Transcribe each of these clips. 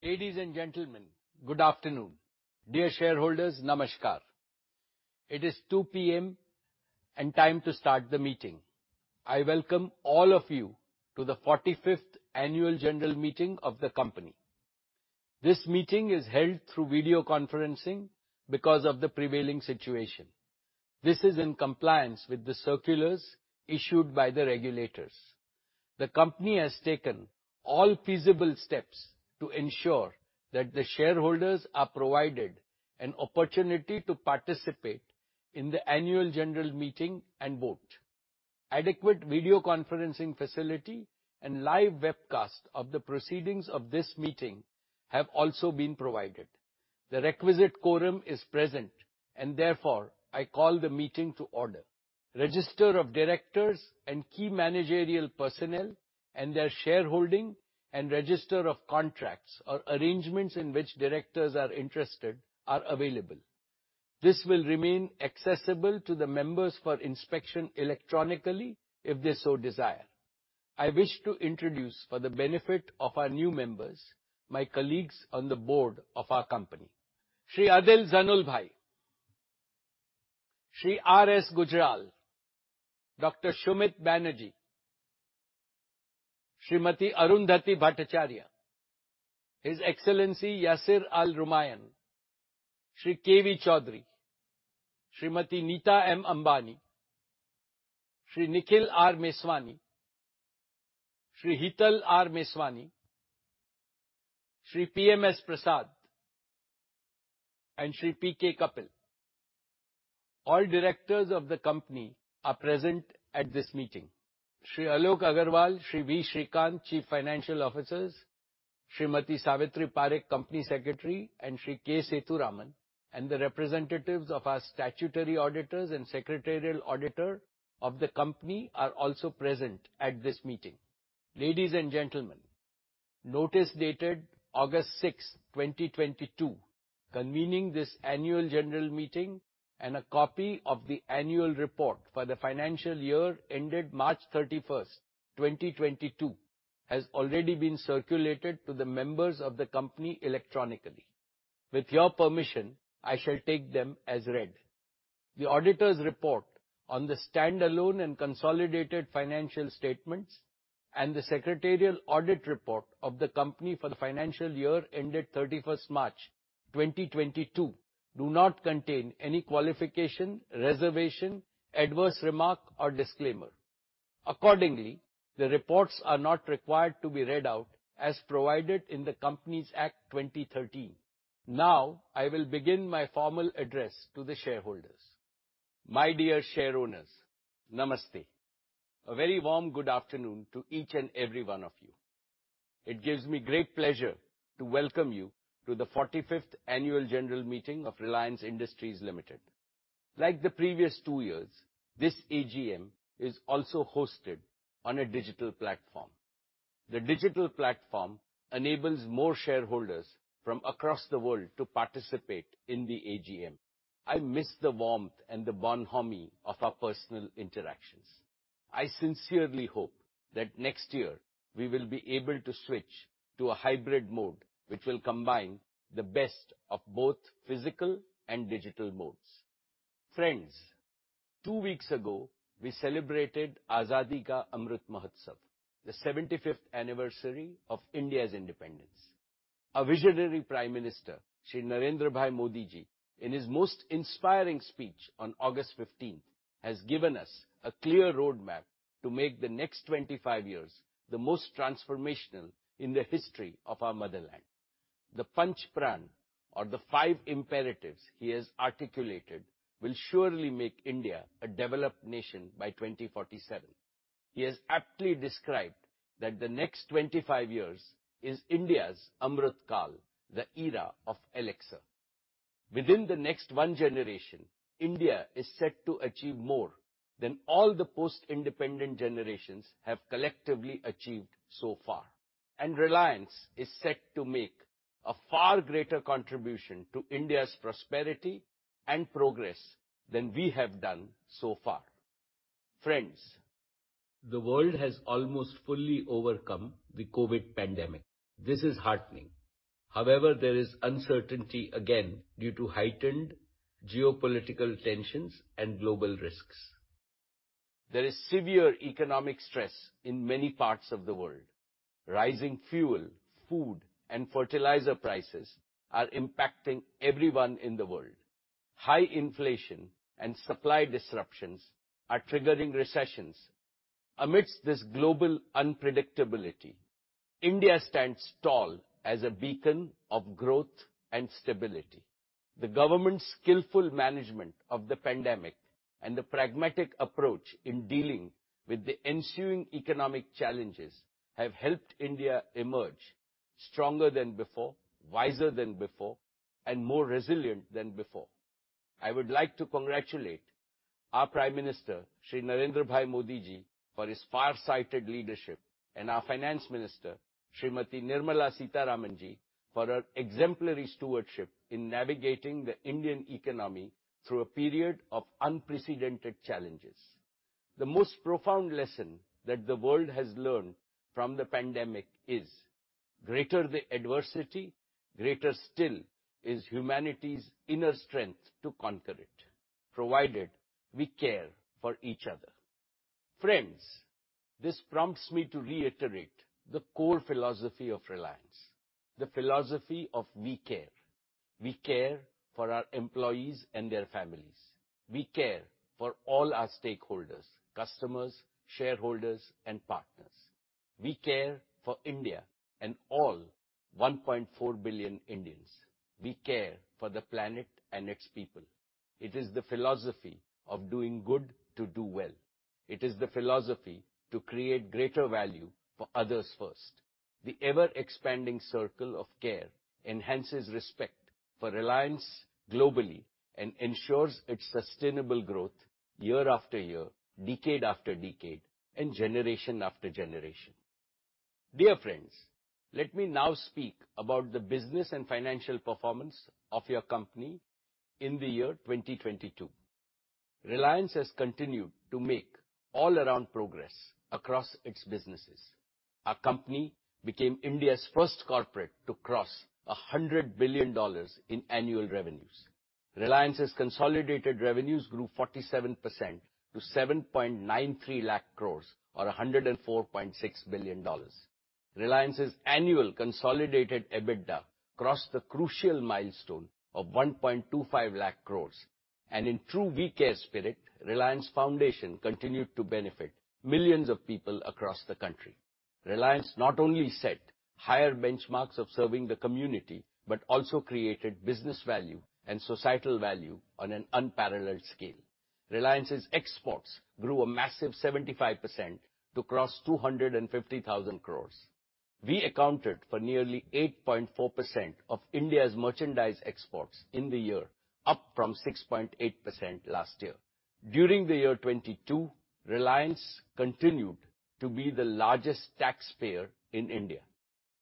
Ladies and gentlemen, Good Afternoon. Dear shareholders, Namaskar. It is 2:00 P.M. and time to start the meeting. I welcome all of you to the forty-fifth annual general meeting of the company. This meeting is held through video conferencing because of the prevailing situation. This is in compliance with the circulars issued by the regulators. The company has taken all feasible steps to ensure that the shareholders are provided an opportunity to participate in the annual general meeting and vote. Adequate video conferencing facility and live webcast of the proceedings of this meeting have also been provided. The requisite quorum is present, and therefore, I call the meeting to order. Register of directors and key managerial personnel and their shareholding and register of contracts or arrangements in which directors are interested are available. This will remain accessible to the members for inspection electronically if they so desire. I wish to introduce for the benefit of our new members, my colleagues on the board of our company. Shri Adil Zainulbhai, Shri Raminder Singh Gujral, Dr. Shumeet Banerji, Srimati Arundhati Bhattacharya, His Excellency Yasir Othman Al-Rumayyan, Shri K.V. Chowdary, Srimati Nita M. Ambani, Shri Nikhil R. Meswani, Shri Hital R. Meswani, Shri P.M.S. Prasad and Shri Pawan Kumar Kapil. All directors of the company are present at this meeting. Shri Alok Agarwal, Shri Srikanth Venkatachari, Chief Financial Officer, Srimati Savithri Parekh, Company Secretary, and Shri K. Sethuraman, and the representatives of our statutory auditors and secretarial auditor of the company are also present at this meeting. Ladies and gentlemen, notice dated August 6, 2022, convening this annual general meeting and a copy of the annual report for the financial year ended March 31, 2022, has already been circulated to the members of the company electronically. With your permission, I shall take them as read. The auditors' report on the stand-alone and consolidated financial statements and the secretarial audit report of the company for the financial year ended 31 March 2022 do not contain any qualification, reservation, adverse remark or disclaimer. Accordingly, the reports are not required to be read out as provided in the Companies Act, 2013. Now, I will begin my formal address to the shareholders. My dear shareowners, Namaste. A very warm good afternoon to each and every one of you. It gives me great pleasure to welcome you to the 45th annual general meeting of Reliance Industries Limited. Like the previous 2 years, this AGM is also hosted on a digital platform. The digital platform enables more shareholders from across the world to participate in the AGM. I miss the warmth and the bonhomie of our personal interactions. I sincerely hope that next year we will be able to switch to a hybrid mode, which will combine the best of both physical and digital modes. Friends, two weeks ago we celebrated Azadi Ka Amrit Mahotsav, the 75th anniversary of India's independence. A visionary Prime Minister, Shri Narendra Modi, in his most inspiring speech on August 15, has given us a clear roadmap to make the next 25 years the most transformational in the history of our motherland. The Panch Pran or the five imperatives he has articulated will surely make India a developed nation by 2047. He has aptly described that the next 25 years is India's Amrit Kaal, the era of elixir. Within the next one generation, India is set to achieve more than all the post-independent generations have collectively achieved so far. Reliance is set to make a far greater contribution to India's prosperity and progress than we have done so far. Friends, the world has almost fully overcome the COVID pandemic. This is heartening. However, there is uncertainty again due to heightened geopolitical tensions and global risks. There is severe economic stress in many parts of the world. Rising fuel, food, and fertilizer prices are impacting everyone in the world. High inflation and supply disruptions are triggering recessions. Amidst this global unpredictability, India stands tall as a beacon of growth and stability. The government's skillful management of the pandemic and the pragmatic approach in dealing with the ensuing economic challenges have helped India emerge stronger than before, wiser than before, and more resilient than before. I would like to congratulate our Prime Minister, Shri Narendrabhai Modiji, for his farsighted leadership and our Finance Minister, Srimati Nirmala Sitharamanji, for her exemplary stewardship in navigating the Indian economy through a period of unprecedented challenges. The most profound lesson that the world has learned from the pandemic is greater the adversity, greater still is humanity's inner strength to conquer it, provided we care for each other. Friends, this prompts me to reiterate the core philosophy of Reliance, the philosophy of we care. We care for our employees and their families. We care for all our stakeholders, customers, shareholders, and partners. We care for India and all 1.4 billion Indians. We care for the planet and its people. It is the philosophy of doing good to do well. It is the philosophy to create greater value for others first. The ever-expanding circle of care enhances respect for Reliance globally and ensures its sustainable growth year after year, decade after decade, and generation after generation. Dear friends, let me now speak about the business and financial performance of your company in the year 2022. Reliance has continued to make all-around progress across its businesses. Our company became India's first corporate to cross $100 billion in annual revenues. Reliance's consolidated revenues grew 47% to 7.93 lakh crore or $104.6 billion. Reliance's annual consolidated EBITDA crossed the crucial milestone of 1.25 lakh crore. In true we care spirit, Reliance Foundation continued to benefit millions of people across the country. Reliance not only set higher benchmarks of serving the community, but also created business value and societal value on an unparalleled scale. Reliance's exports grew a massive 75% to cross 250,000 crore. We accounted for nearly 8.4% of India's merchandise exports in the year, up from 6.8% last year. During the year 2022, Reliance continued to be the largest taxpayer in India.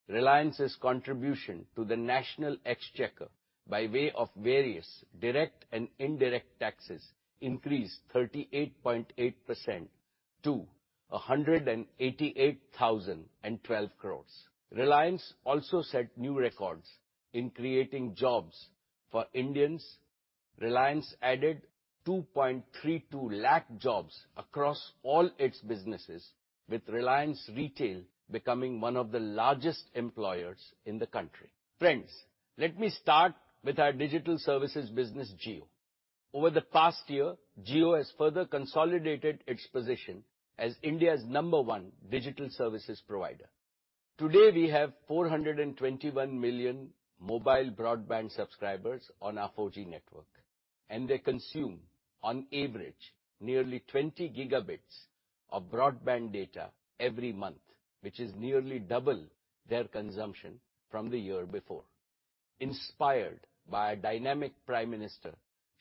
Reliance's contribution to the national exchequer by way of various direct and indirect taxes increased 38.8% to 188,012 crore. Reliance also set new records in creating jobs for Indians. Reliance added 2.32 lakh jobs across all its businesses, with Reliance Retail becoming one of the largest employers in the country. Friends, let me start with our digital services business, Jio. Over the past year, Jio has further consolidated its position as India's number-one digital services provider. Today, we have 421 million mobile broadband subscribers on our 4G network, and they consume on average nearly 20 gigabits of broadband data every month, which is nearly double their consumption from the year before. Inspired by our dynamic Prime Minister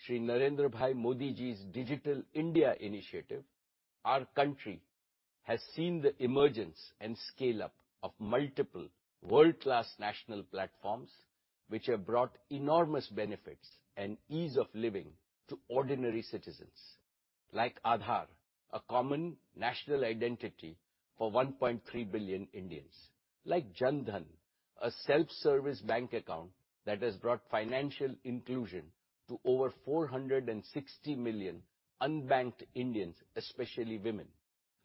Shri Narendrabhai Modiji's Digital India initiative, our country has seen the emergence and scale-up of multiple world-class national platforms, which have brought enormous benefits and ease of living to ordinary citizens. Like Aadhaar, a common national identity for 1.3 billion Indians. Like Jan Dhan, a self-service bank account that has brought financial inclusion to over 460 million unbanked Indians, especially women.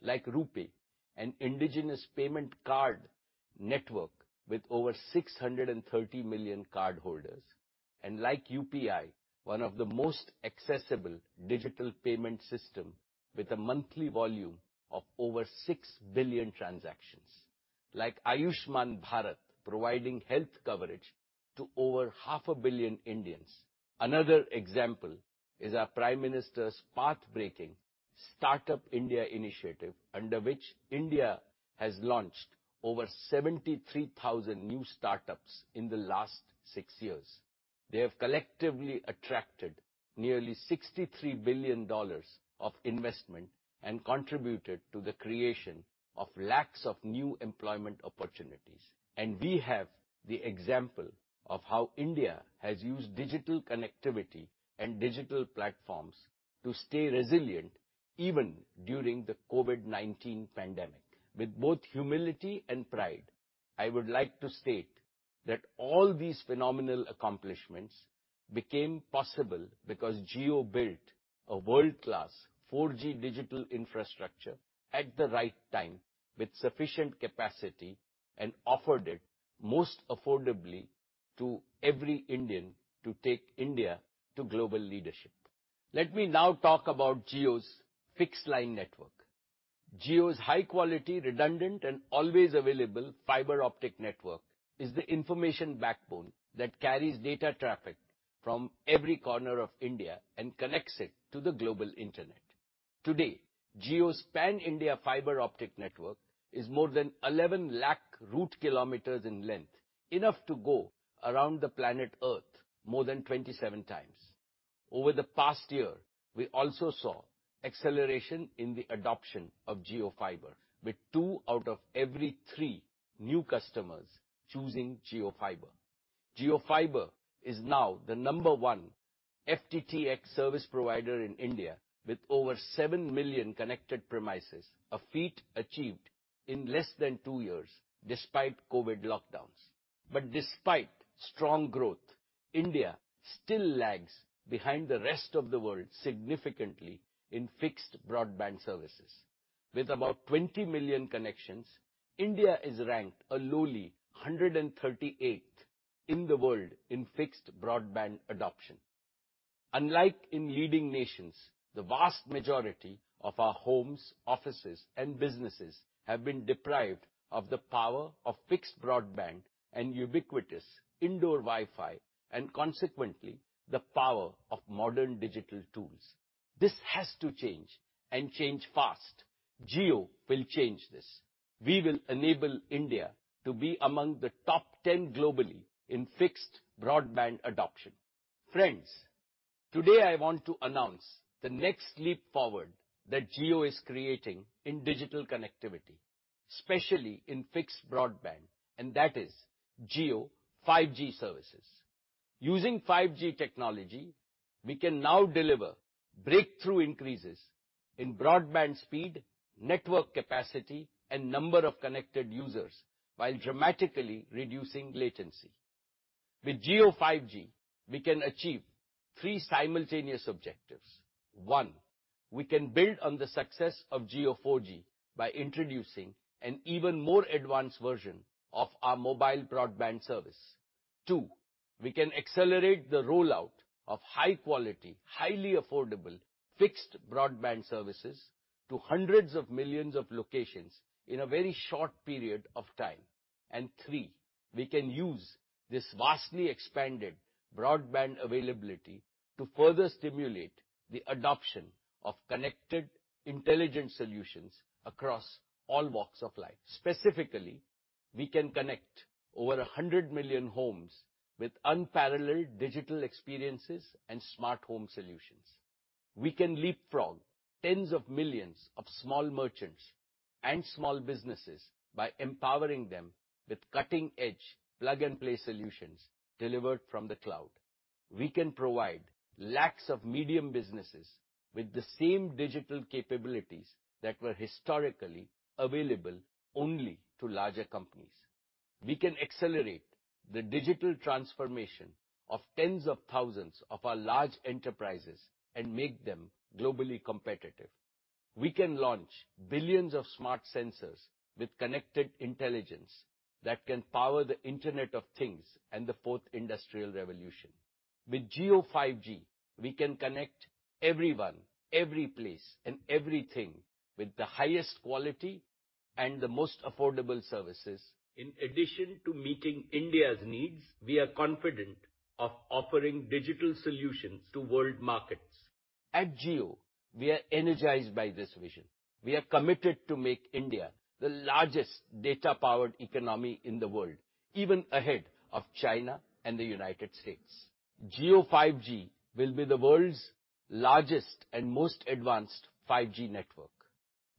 Like RuPay, an indigenous payment card network with over 630 million cardholders. Like UPI, one of the most accessible digital payment system with a monthly volume of over 6 billion transactions. Like Ayushman Bharat, providing health coverage to over half a billion Indians. Another example is our Prime Minister's pathbreaking Startup India initiative, under which India has launched over 73,000 new startups in the last six years. They have collectively attracted nearly $63 billion of investment and contributed to the creation of lakhs of new employment opportunities. We have the example of how India has used digital connectivity and digital platforms to stay resilient even during the COVID-19 pandemic. With both humility and pride, I would like to state that all these phenomenal accomplishments became possible because Jio built a world-class 4G digital infrastructure at the right time with sufficient capacity and offered it most affordably to every Indian to take India to global leadership. Let me now talk about Jio's fixed line network. Jio's high quality, redundant, and always available fiber-optic network is the information backbone that carries data traffic from every corner of India and connects it to the global Internet. Today, Jio's pan-India fiber-optic network is more than 11 lakh route kilometers in length, enough to go around the planet Earth more than 27 times. Over the past year, we also saw acceleration in the adoption of Jio Fiber, with two out of every three new customers choosing Jio Fiber. Jio Fiber is now the number one FTTX service provider in India with over 7 million connected premises, a feat achieved in less than 2 years despite COVID lockdowns. Despite strong growth, India still lags behind the rest of the world significantly in fixed broadband services. With about 20 million connections, India is ranked a lowly 138th in the world in fixed broadband adoption. Unlike in leading nations, the vast majority of our homes, offices, and businesses have been deprived of the power of fixed broadband and ubiquitous indoor Wi-Fi, and consequently, the power of modern digital tools. This has to change and change fast. Jio will change this. We will enable India to be among the top ten globally in fixed broadband adoption. Friends, today I want to announce the next leap forward that Jio is creating in digital connectivity, especially in fixed broadband, and that is Jio Fiber 5G services. Using 5G technology, we can now deliver breakthrough increases in broadband speed, network capacity, and number of connected users while dramatically reducing latency. With Jio Fiber 5G, we can achieve three simultaneous objectives. One, we can build on the success of Jio Fiber 4G by introducing an even more advanced version of our mobile broadband service. Two, we can accelerate the rollout of high quality, highly affordable fixed broadband services to hundreds of millions of locations in a very short period of time. Three, we can use this vastly expanded broadband availability to further stimulate the adoption of connected intelligent solutions across all walks of life. Specifically, we can connect over 100 million homes with unparalleled digital experiences and smart home solutions. We can leapfrog tens of millions of small merchants and small businesses by empowering them with cutting-edge plug-and-play solutions delivered from the cloud. We can provide lakhs of medium businesses with the same digital capabilities that were historically available only to larger companies. We can accelerate the digital transformation of tens of thousands of our large enterprises and make them globally competitive. We can launch billions of smart sensors with connected intelligence that can power the Internet of Things and the fourth industrial revolution. With Jio Fiber 5G, we can connect everyone, every place, and everything with the highest quality and the most affordable services. In addition to meeting India's needs, we are confident of offering digital solutions to world markets. At Jio Fiber, we are energized by this vision. We are committed to make India the largest data-powered economy in the world, even ahead of China and the United States. Jio 5G will be the world's largest and most advanced 5G network.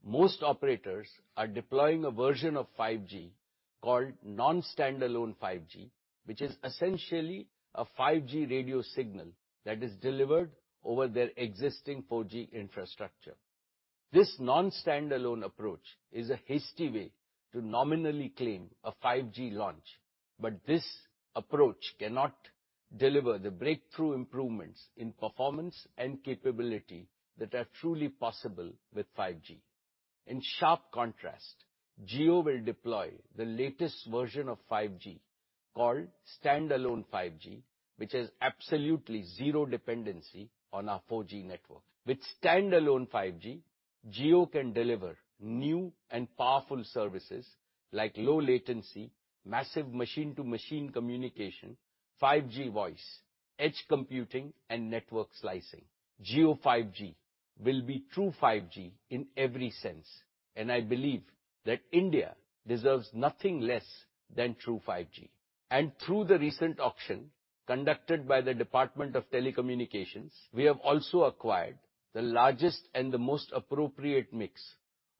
Most operators are deploying a version of 5G called Non-Standalone 5G, which is essentially a 5G radio signal that is delivered over their existing 4G infrastructure. This non-standalone approach is a hasty way to nominally claim a 5G launch, but this approach cannot deliver the breakthrough improvements in performance and capability that are truly possible with 5G. In sharp contrast, Jio will deploy the latest version of 5G called Standalone 5G, which has absolutely zero dependency on our 4G network. With Standalone 5G, Jio Fiber can deliver new and powerful services like low latency, massive machine-to-machine communication, 5G voice, edge computing, and network slicing. Jio Fiber 5G will be true 5G in every sense, and I believe that India deserves nothing less than true 5G. Through the recent auction conducted by the Department of Telecommunications, we have also acquired the largest and the most appropriate mix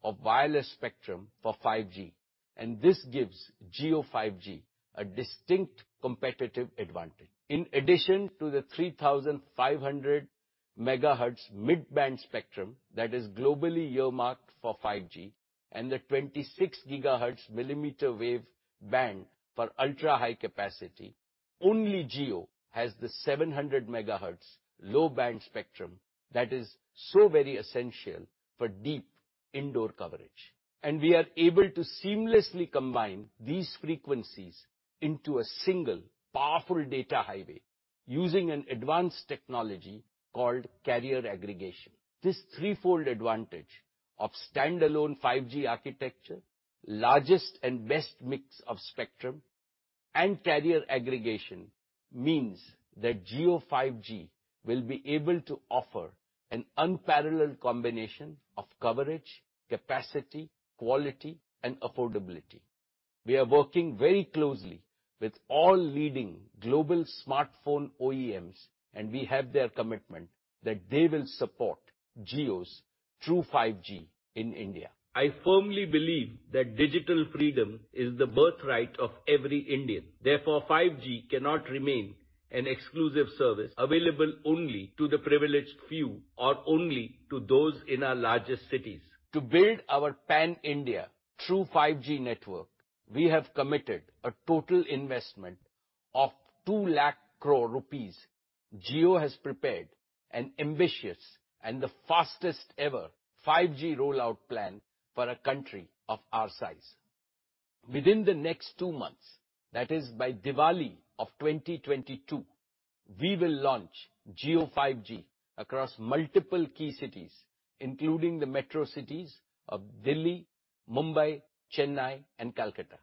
of wireless spectrum for 5G, and this gives Jio Fiber 5G a distinct competitive advantage. In addition to the 3,500 megahertz mid-band spectrum that is globally earmarked for 5G and the 26 gigahertz Millimeter Wave band for ultra-high capacity, only Jio Fiber has the 700 megahertz low band spectrum that is so very essential for deep indoor coverage. We are able to seamlessly combine these frequencies into a single powerful data highway using an advanced technology called Carrier Aggregation. This threefold advantage of Standalone 5G architecture, largest and best mix of spectrum, and Carrier Aggregation means that Jio 5G will be able to offer an unparalleled combination of coverage, capacity, quality, and affordability. We are working very closely with all leading global smartphone OEMs, and we have their commitment that they will support Jio True 5G in India. I firmly believe that digital freedom is the birthright of every Indian. Therefore, 5G cannot remain an exclusive service available only to the privileged few or only to those in our largest cities. To build our pan-India true 5G network, we have committed a total investment of 200,000 crore rupees. Jio has prepared an ambitious and the fastest ever 5G rollout plan for a country of our size. Within the next two months, that is by Diwali of 2022, we will launch Jio 5G across multiple key cities, including the metro cities of Delhi, Mumbai, Chennai and Calcutta.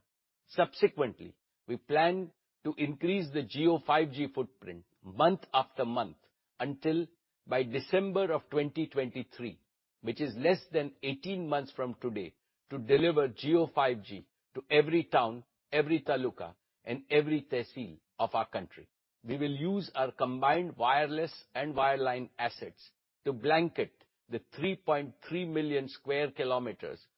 Subsequently, we plan to increase the Jio 5G footprint month after month, until by December of 2023, which is less than 18 months from today, to deliver Jio Fiber 5G to every town, every taluka and every tehsil of our country. We will use our combined wireless and wireline assets to blanket the 3.3 million sq km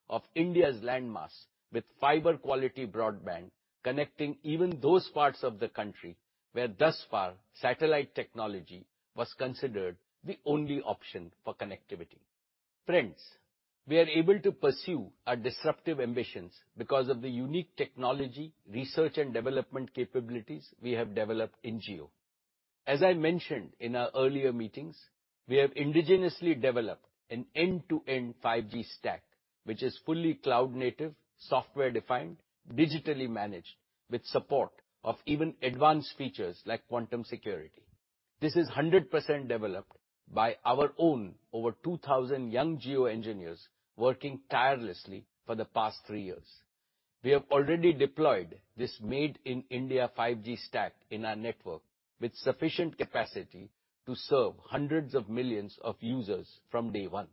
of India's landmass with fiber quality broadband, connecting even those parts of the country where thus far satellite technology was considered the only option for connectivity. Friends, we are able to pursue our disruptive ambitions because of the unique technology, research and development capabilities we have developed in Jio Fiber. As I mentioned in our earlier meetings, we have indigenously developed an end-to-end 5G stack, which is fully cloud native, software defined, digitally managed with support of even advanced features like quantum security. This is 100% developed by our own over 2,000 young Jio engineers working tirelessly for the past 3 years. We have already deployed this made in India 5G stack in our network with sufficient capacity to serve hundreds of millions of users from day one.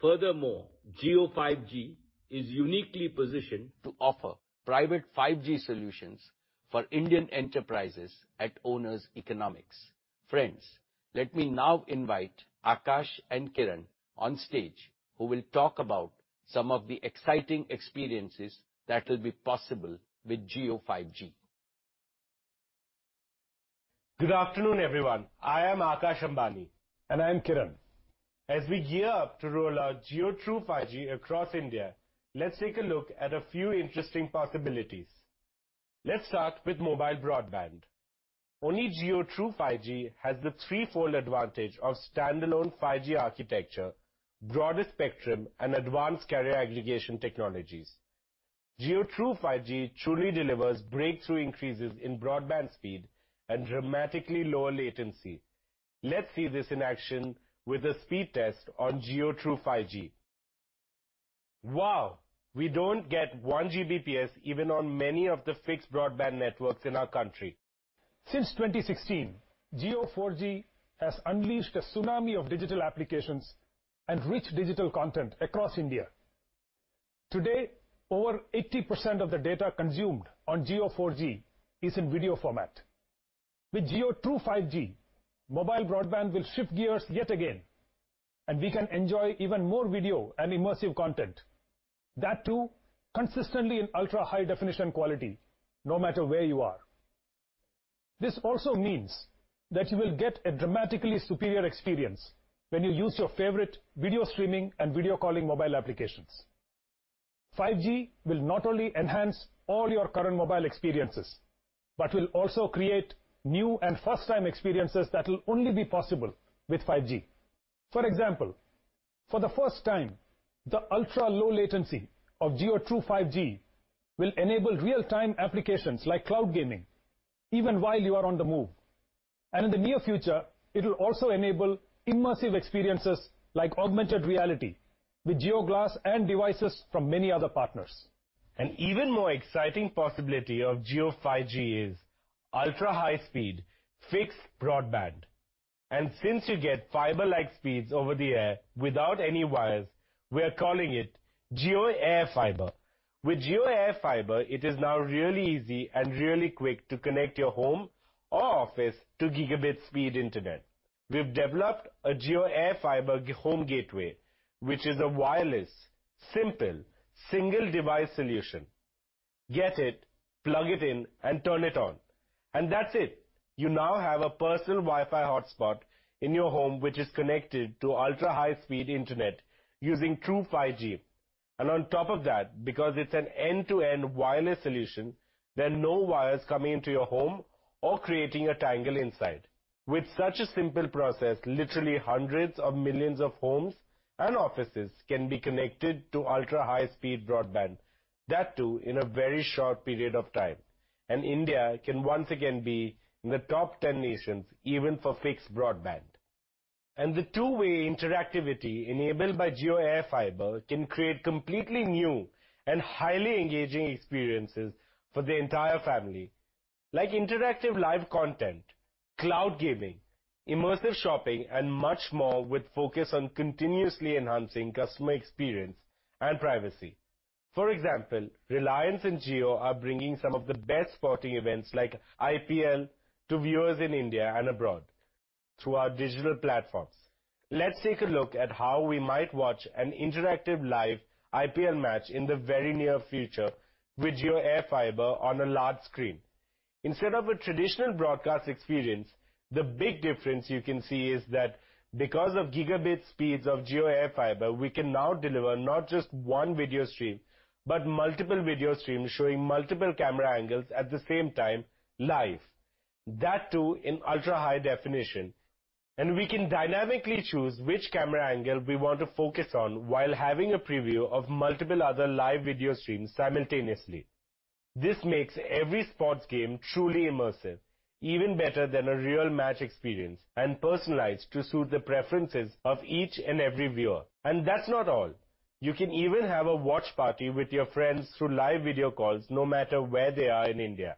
Furthermore, Jio Fiber 5G is uniquely positioned to offer private 5G solutions for Indian enterprises at owner's economics. Friends, let me now invite Akash and Kiran on stage who will talk about some of the exciting experiences that will be possible with Jio Fiber 5G. Good afternoon, everyone. I am Akash Ambani. I am Kiran. As we gear up to roll out Jio True 5G across India, let's take a look at a few interesting possibilities. Let's start with mobile broadband. Only Jio Fiber True 5G has the threefold advantage of Standalone 5G architecture, broader spectrum, and advanced Carrier Aggregation technologies. Jio True 5G truly delivers breakthrough increases in broadband speed and dramatically lower latency. Let's see this in action with a speed test on Jio True 5G. Wow, we don't get 1 Gbps even on many of the fixed broadband networks in our country. Since 2016, Jio 4G has unleashed a tsunami of digital applications and rich digital content across India. Today, over 80% of the data consumed on Jio 4G is in video format. With Jio True 5G, mobile broadband will shift gears yet again, and we can enjoy even more video and immersive content. That too, consistently in ultra-high definition quality, no matter where you are. This also means that you will get a dramatically superior experience when you use your favorite video streaming and video calling mobile applications. 5G will not only enhance all your current mobile experiences, but will also create new and first-time experiences that will only be possible with 5G. For example, for the first time, the ultra-low latency of Jio True 5G will enable real-time applications like cloud gaming, even while you are on the move. In the near future, it will also enable immersive experiences like augmented reality with Jio Glass and devices from many other partners. An even more exciting possibility of Jio 5G is ultra-high speed fixed broadband. Since you get fiber-like speeds over the air without any wires, we are calling it Jio Air Fiber. With Jio Air Fiber, it is now really easy and really quick to connect your home or office to gigabit speed internet. We've developed a Jio Air Fiber home gateway, which is a wireless, simple, single device solution. Get it, plug it in and turn it on. That's it. You now have a personal Wi-Fi hotspot in your home, which is connected to ultra-high speed internet using true 5G. On top of that, because it's an end-to-end wireless solution, there are no wires coming into your home or creating a tangle inside. With such a simple process, literally hundreds of millions of homes and offices can be connected to ultra-high speed broadband. That too, in a very short period of time. India can once again be in the top ten nations, even for fixed broadband. The two-way interactivity enabled by Jio Air Fiber can create completely new and highly engaging experiences for the entire family, like interactive live content, cloud gaming, immersive shopping, and much more with focus on continuously enhancing customer experience and privacy. For example, Reliance and Jio are bringing some of the best sporting events like IPL to viewers in India and abroad through our digital platforms. Let's take a look at how we might watch an interactive live IPL match in the very near future with Jio Air Fiber on a large screen. Instead of a traditional broadcast experience, the big difference you can see is that because of gigabit speeds of Jio AirFiber, we can now deliver not just one video stream, but multiple video streams showing multiple camera angles at the same time live. That too in ultra-high definition. We can dynamically choose which camera angle we want to focus on while having a preview of multiple other live video streams simultaneously. This makes every sports game truly immersive, even better than a real match experience, and personalized to suit the preferences of each and every viewer. That's not all. You can even have a watch party with your friends through live video calls, no matter where they are in India,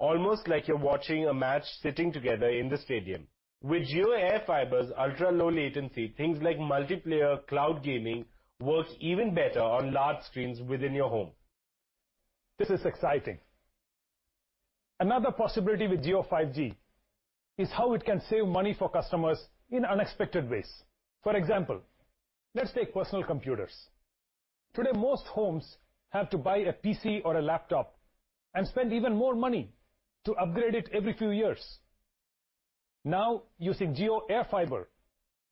almost like you're watching a match sitting together in the stadium. With Jio AirFiber's ultra-low latency, things like multiplayer cloud gaming works even better on large screens within your home. This is exciting. Another possibility with Jio 5G is how it can save money for customers in unexpected ways. For example, let's take personal computers. Today, most homes have to buy a PC or a laptop and spend even more money to upgrade it every few years. Now, using Jio AirFiber,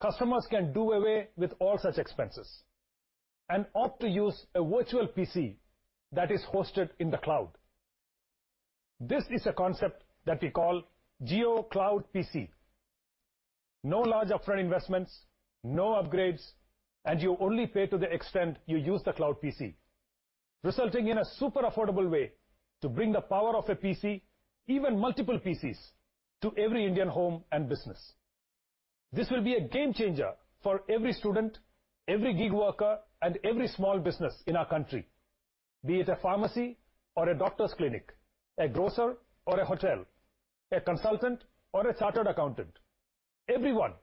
customers can do away with all such expenses and opt to use a virtual PC that is hosted in the cloud. This is a concept that we call Jio Cloud PC. No large upfront investments, no upgrades, and you only pay to the extent you use the cloud PC, resulting in a super affordable way to bring the power of a PC, even multiple PCs, to every Indian home and business. This will be a game changer for every student, every gig worker, and every small business in our country. Be it a pharmacy or a doctor's clinic, a grocer or a hotel, a consultant or a chartered accountant. Everyone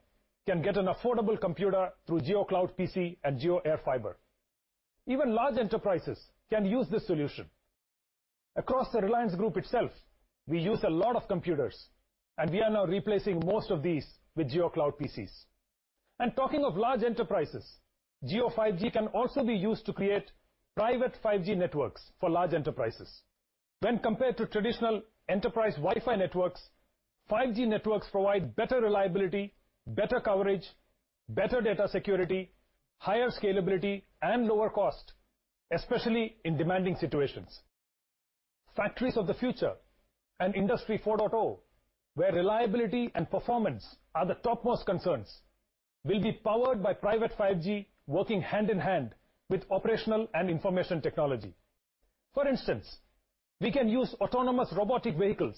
can get an affordable computer through Jio Cloud PC and Jio AirFiber. Even large enterprises can use this solution. Across the Reliance Group itself, we use a lot of computers, and we are now replacing most of these with Jio Cloud PCs. Talking of large enterprises, Jio 5G can also be used to create private 5G networks for large enterprises. When compared to traditional enterprise Wi-Fi networks, 5G networks provide better reliability, better coverage, better data security, higher scalability and lower cost, especially in demanding situations. Factories of the future and Industry 4.0, where reliability and performance are the topmost concerns, will be powered by private 5G working hand in hand with operational and information technology. For instance, we can use autonomous robotic vehicles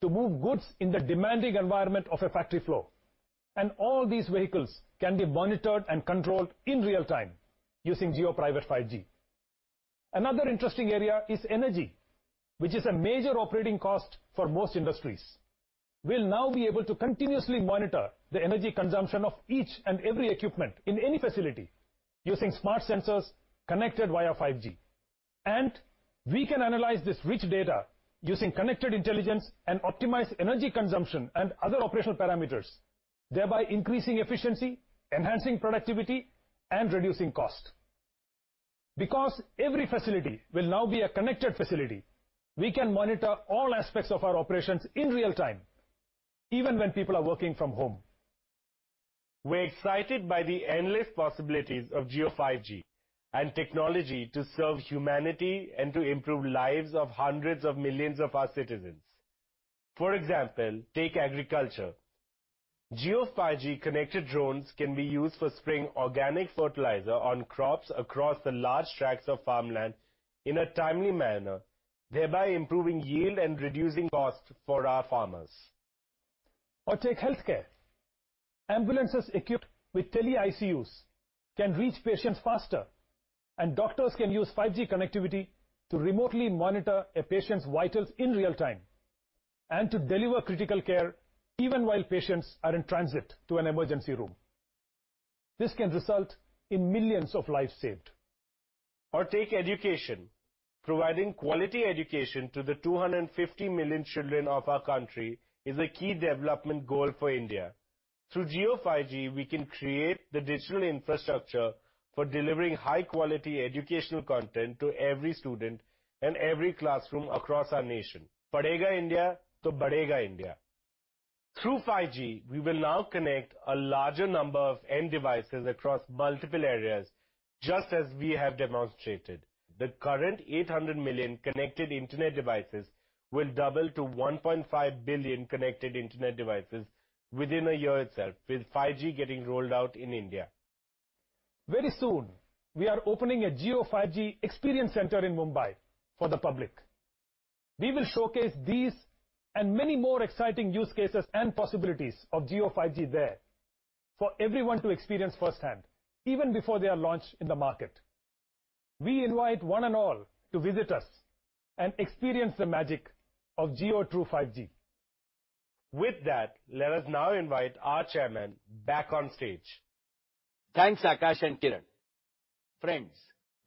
to move goods in the demanding environment of a factory floor, and all these vehicles can be monitored and controlled in real time using Jio Private 5G. Another interesting area is energy, which is a major operating cost for most industries. We'll now be able to continuously monitor the energy consumption of each and every equipment in any facility using smart sensors connected via 5G. We can analyze this rich data using connected intelligence and optimize energy consumption and other operational parameters, thereby increasing efficiency, enhancing productivity and reducing costs. Because every facility will now be a connected facility, we can monitor all aspects of our operations in real time, even when people are working from home. We're excited by the endless possibilities of Jio 5G and technology to serve humanity and to improve lives of hundreds of millions of our citizens. For example, take agriculture. Jio 5G connected drones can be used for spraying organic fertilizer on crops across the large tracts of farmland in a timely manner, thereby improving yield and reducing costs for our farmers. Take healthcare. Ambulances equipped with tele ICUs can reach patients faster, and doctors can use 5G connectivity to remotely monitor a patient's vitals in real time and to deliver critical care even while patients are in transit to an emergency room. This can result in millions of lives saved. Take education. Providing quality education to the 250 million children of our country is a key development goal for India. Through Jio 5G, we can create the digital infrastructure for delivering high quality educational content to every student and every classroom across our nation. Padhega India to badhega India. Through 5G, we will now connect a larger number of end devices across multiple areas, just as we have demonstrated. The current 800 million connected internet devices will double to 1.5 billion connected internet devices within a year itself, with 5G getting rolled out in India. Very soon, we are opening a Jio 5G experience center in Mumbai for the public. We will showcase these and many more exciting use cases and possibilities of Jio 5G there for everyone to experience firsthand, even before they are launched in the market. We invite one and all to visit us and experience the magic of Jio True 5G. With that, let us now invite our chairman back on stage. Thanks, Akash and Kiran. Friends,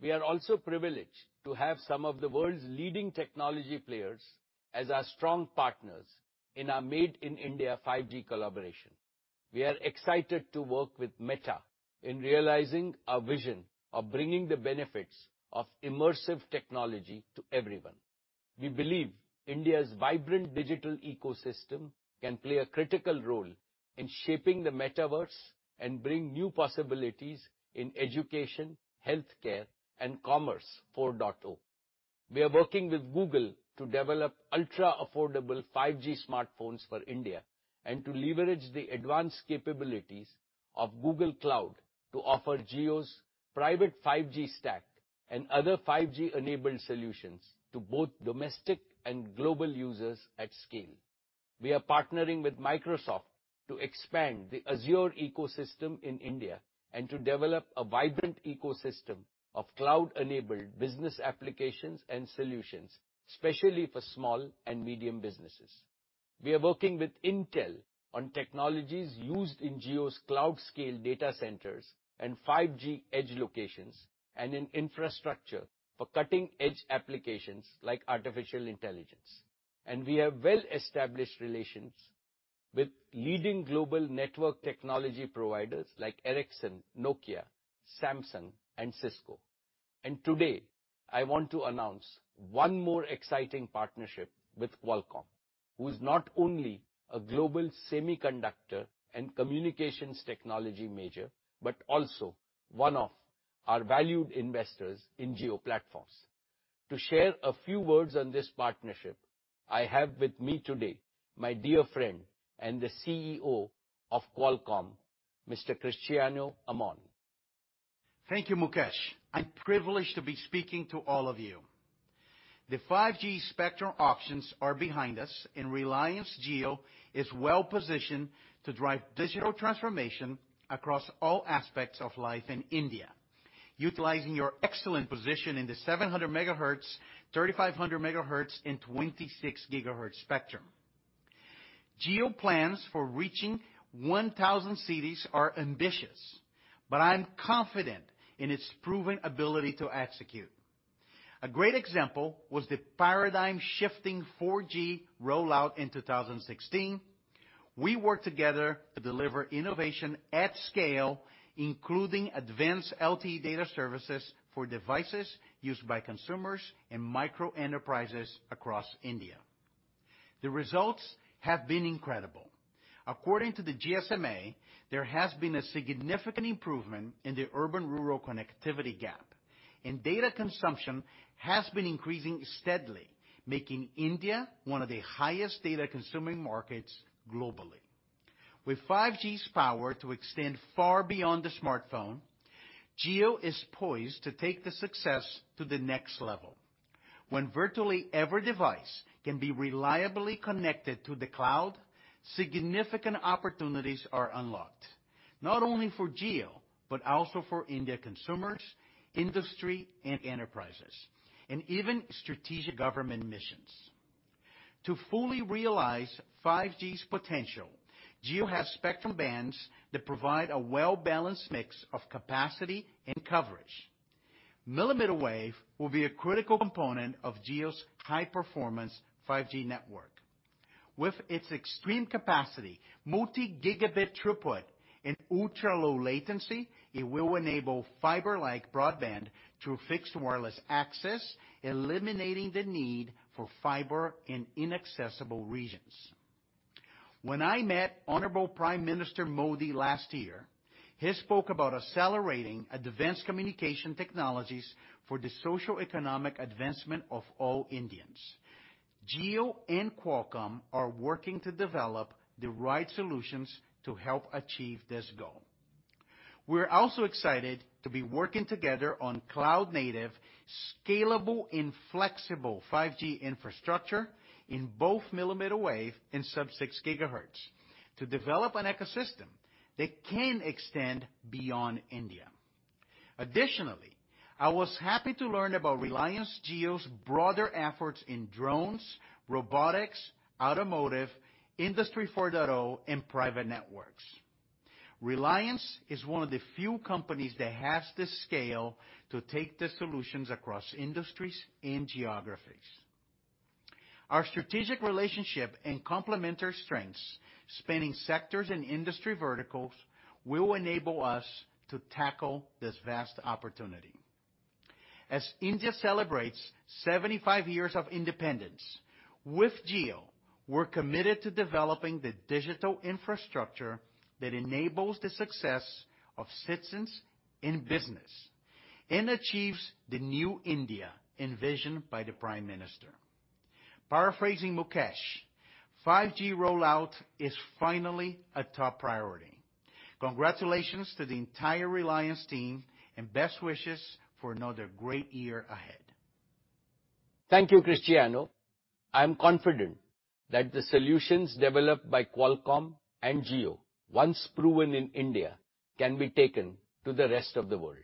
we are also privileged to have some of the world's leading technology players as our strong partners in our Made in India 5G collaboration. We are excited to work with Meta in realizing our vision of bringing the benefits of immersive technology to everyone. We believe India's vibrant digital ecosystem can play a critical role in shaping the metaverse and bring new possibilities in education, healthcare, and commerce 4.0. We are working with Google to develop ultra-affordable 5G smartphones for India, and to leverage the advanced capabilities of Google Cloud to offer Jio's private 5G stack and other 5G-enabled solutions to both domestic and global users at scale. We are partnering with Microsoft to expand the Azure ecosystem in India and to develop a vibrant ecosystem of cloud-enabled business applications and solutions, especially for small and medium businesses. We are working with Intel on technologies used in Jio's cloud scale data centers and 5G edge locations and in infrastructure for cutting-edge applications like artificial intelligence. We have well-established relations with leading global network technology providers like Ericsson, Nokia, Samsung, and Cisco. Today, I want to announce one more exciting partnership with Qualcomm, who's not only a global semiconductor and communications technology major, but also one of our valued investors in Jio Platforms. To share a few words on this partnership, I have with me today my dear friend and the CEO of Qualcomm, Mr. Cristiano Amon. Thank you, Mukesh. I'm privileged to be speaking to all of you. The 5G spectrum auctions are behind us, and Reliance Jio is well-positioned to drive digital transformation across all aspects of life in India, utilizing your excellent position in the 700 MHz, 3,500 MHz, and 26 GHz spectrum. Jio plans for reaching 1,000 cities are ambitious, but I'm confident in its proven ability to execute. A great example was the paradigm-shifting 4G rollout in 2016. We worked together to deliver innovation at scale, including advanced LTE data services for devices used by consumers and micro-enterprises across India. The results have been incredible. According to the GSMA, there has been a significant improvement in the urban-rural connectivity gap, and data consumption has been increasing steadily, making India one of the highest data-consuming markets globally. With 5G's power to extend far beyond the smartphone, Jio is poised to take the success to the next level. When virtually every device can be reliably connected to the cloud, significant opportunities are unlocked, not only for Jio, but also for Indian consumers, industry, and enterprises, and even strategic government missions. To fully realize 5G's potential, Jio has spectrum bands that provide a well-balanced mix of capacity and coverage. Millimeter wave will be a critical component of Jio's high-performance 5G network. With its extreme capacity, multi-gigabit throughput, and ultra-low latency, it will enable fiber-like broadband through fixed wireless access, eliminating the need for fiber in inaccessible regions. When I met Honorable Prime Minister Modi last year, he spoke about accelerating advanced communication technologies for the socioeconomic advancement of all Indians. Jio and Qualcomm are working to develop the right solutions to help achieve this goal. We're also excited to be working together on cloud-native, scalable, and flexible 5G infrastructure in both Millimeter Wave and sub-6 GHz to develop an ecosystem that can extend beyond India. Additionally, I was happy to learn about Reliance Jio's broader efforts in drones, robotics, automotive, Industry 4.0, and private networks. Reliance is one of the few companies that has the scale to take the solutions across industries and geographies. Our strategic relationship and complementary strengths, spanning sectors and industry verticals, will enable us to tackle this vast opportunity. As India celebrates 75 years of independence, with Jio, we're committed to developing the digital infrastructure that enables the success of citizens in business and achieves the new India envisioned by the Prime Minister. Paraphrasing Mukesh, 5G rollout is finally a top priority. Congratulations to the entire Reliance team and best wishes for another great year ahead. Thank you, Cristiano. I'm confident that the solutions developed by Qualcomm and Jio, once proven in India, can be taken to the rest of the world.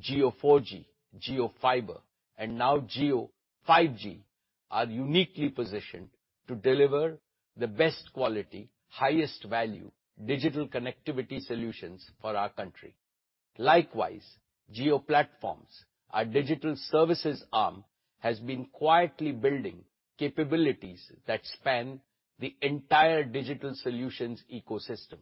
Jio 4G, Jio Fiber and now Jio 5G are uniquely positioned to deliver the best quality, highest value digital connectivity solutions for our country. Likewise, Jio Platforms, our digital services arm, has been quietly building capabilities that span the entire digital solutions ecosystem,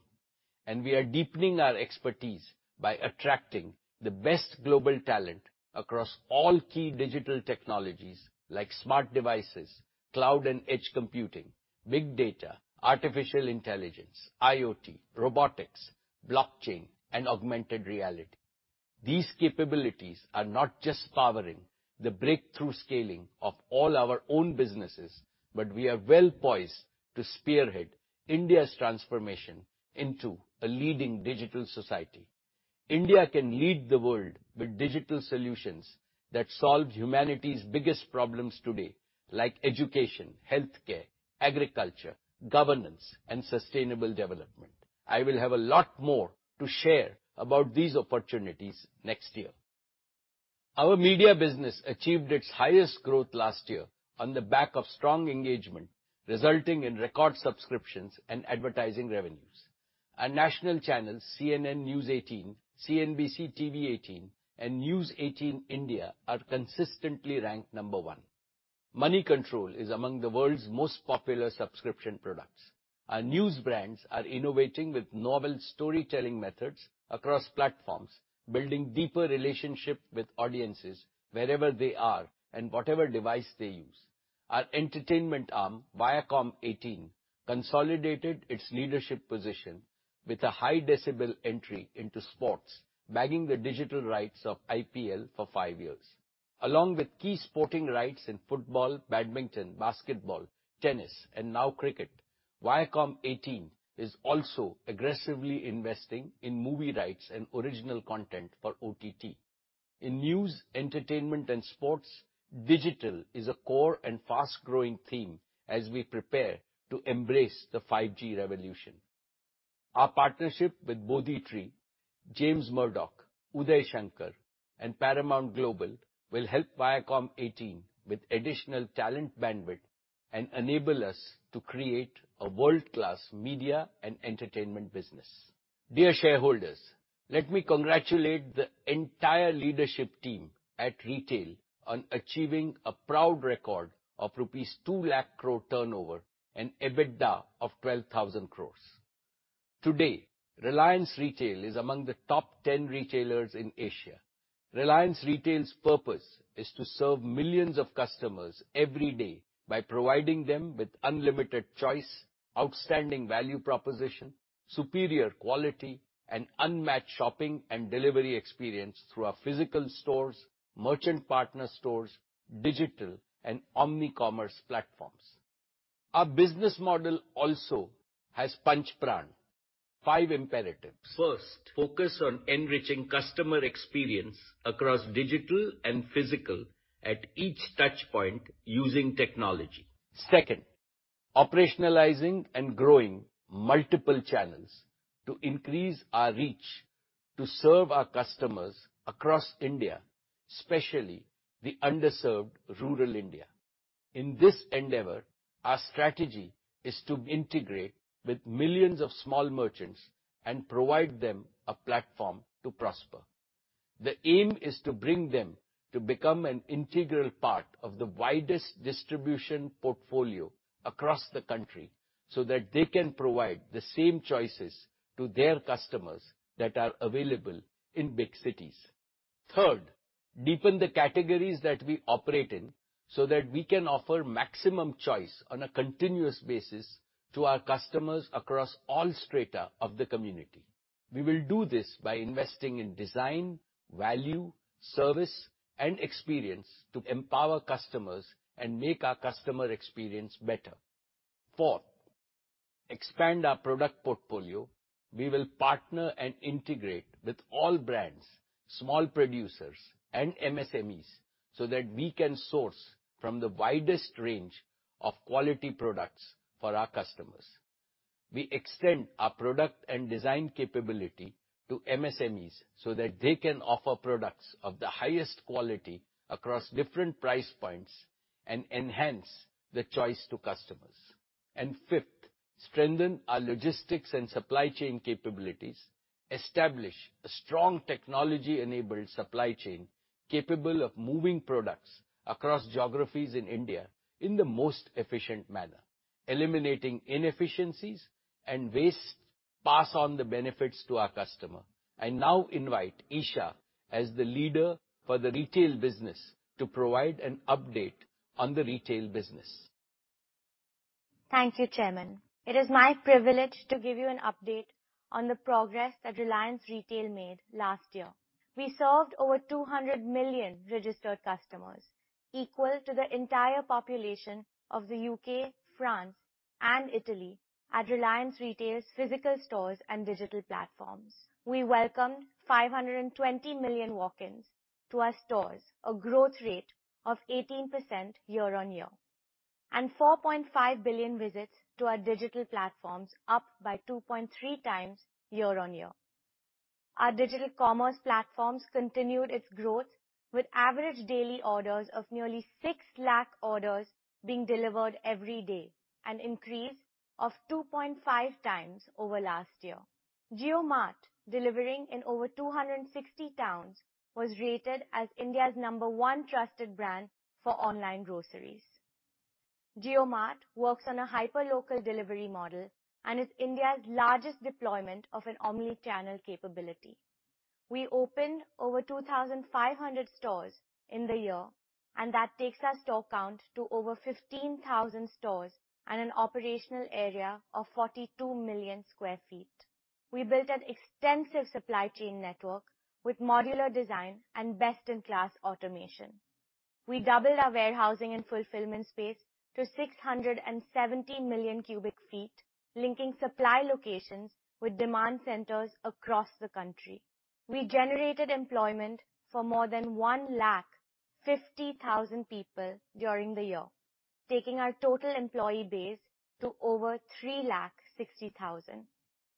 and we are deepening our expertise by attracting the best global talent across all key digital technologies like smart devices, cloud and edge computing, big data, artificial intelligence, IoT, robotics, blockchain, and augmented reality. These capabilities are not just powering the breakthrough scaling of all our own businesses, but we are well poised to spearhead India's transformation into a leading digital society. India can lead the world with digital solutions that solve humanity's biggest problems today, like education, healthcare, agriculture, governance, and sustainable development. I will have a lot more to share about these opportunities next year. Our media business achieved its highest growth last year on the back of strong engagement, resulting in record subscriptions and advertising revenues. Our national channels, CNN-News18, CNBC TV18, and News18 India are consistently ranked number one. Moneycontrol is among the world's most popular subscription products. Our news brands are innovating with novel storytelling methods across platforms, building deeper relationship with audiences wherever they are and whatever device they use. Our entertainment arm, Viacom18, consolidated its leadership position with a high decibel entry into sports, bagging the digital rights of IPL for five years. Along with key sporting rights in football, badminton, basketball, tennis, and now cricket, Viacom18 is also aggressively investing in movie rights and original content for OTT. In news, entertainment, and sports, digital is a core and fast-growing theme as we prepare to embrace the 5G revolution. Our partnership with Bodhi Tree, James Murdoch, Uday Shankar, and Paramount Global will help Viacom18 with additional talent bandwidth and enable us to create a world-class media and entertainment business. Dear shareholders, let me congratulate the entire leadership team at retail on achieving a proud record of rupees 200,000 crore turnover and EBITDA of 12,000 crore. Today, Reliance Retail is among the top 10 retailers in Asia. Reliance Retail's purpose is to serve millions of customers every day by providing them with unlimited choice, outstanding value proposition, superior quality, and unmatched shopping and delivery experience through our physical stores, merchant partner stores, digital and omni commerce platforms. Our business model also has Panch Pran, five imperatives. First, focus on enriching customer experience across digital and physical at each touch point using technology. Second, operationalizing and growing multiple channels to increase our reach to serve our customers across India, especially the underserved rural India. In this endeavor, our strategy is to integrate with millions of small merchants and provide them a platform to prosper. The aim is to bring them to become an integral part of the widest distribution portfolio across the country, so that they can provide the same choices to their customers that are available in big cities. Third, deepen the categories that we operate in so that we can offer maximum choice on a continuous basis to our customers across all strata of the community. We will do this by investing in design, value, service, and experience to empower customers and make our customer experience better. Fourth, expand our product portfolio. We will partner and integrate with all brands, small producers, and MSMEs so that we can source from the widest range of quality products for our customers. We extend our product and design capability to MSMEs so that they can offer products of the highest quality across different price points and enhance the choice to customers. Fifth, strengthen our logistics and supply chain capabilities. Establish a strong technology-enabled supply chain capable of moving products across geographies in India in the most efficient manner, eliminating inefficiencies and waste, pass on the benefits to our customer. I now invite Isha as the leader for the retail business to provide an update on the retail business. Thank you, Chairman. It is my privilege to give you an update on the progress that Reliance Retail made last year. We served over 200 million registered customers, equal to the entire population of the UK, France, and Italy at Reliance Retail's physical stores and digital platforms. We welcomed 520 million walk-ins to our stores, a growth rate of 18% year-on-year. 4.5 billion visits to our digital platforms, up by 2.3 times year-on-year. Our digital commerce platforms continued its growth with average daily orders of nearly 6 lakh orders being delivered every day, an increase of 2.5 times over last year. Jio Mart, delivering in over 260 towns, was rated as India's number one trusted brand for online groceries. Jio Mart works on a hyper-local delivery model and is India's largest deployment of an omni-channel capability. We opened over 2,500 stores in the year, and that takes our store count to over 15,000 stores and an operational area of 42 million sq ft. We built an extensive supply chain network with modular design and best-in-class automation. We doubled our warehousing and fulfillment space to 670 million cubic feet, linking supply locations with demand centers across the country. We generated employment for more than 150,000 people during the year, taking our total employee base to over 360,000.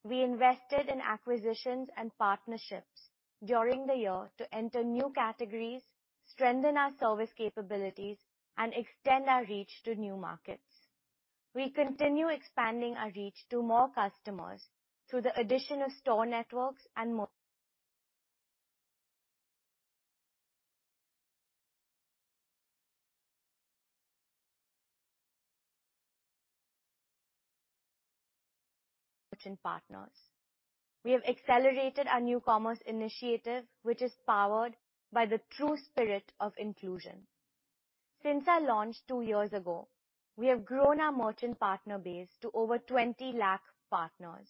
We invested in acquisitions and partnerships during the year to enter new categories, strengthen our service capabilities, and extend our reach to new markets. We continue expanding our reach to more customers through the addition of store networks and more. Merchant partners. We have accelerated our new commerce initiative, which is powered by the true spirit of inclusion. Since our launch two years ago, we have grown our merchant partner base to over 20 lakh partners.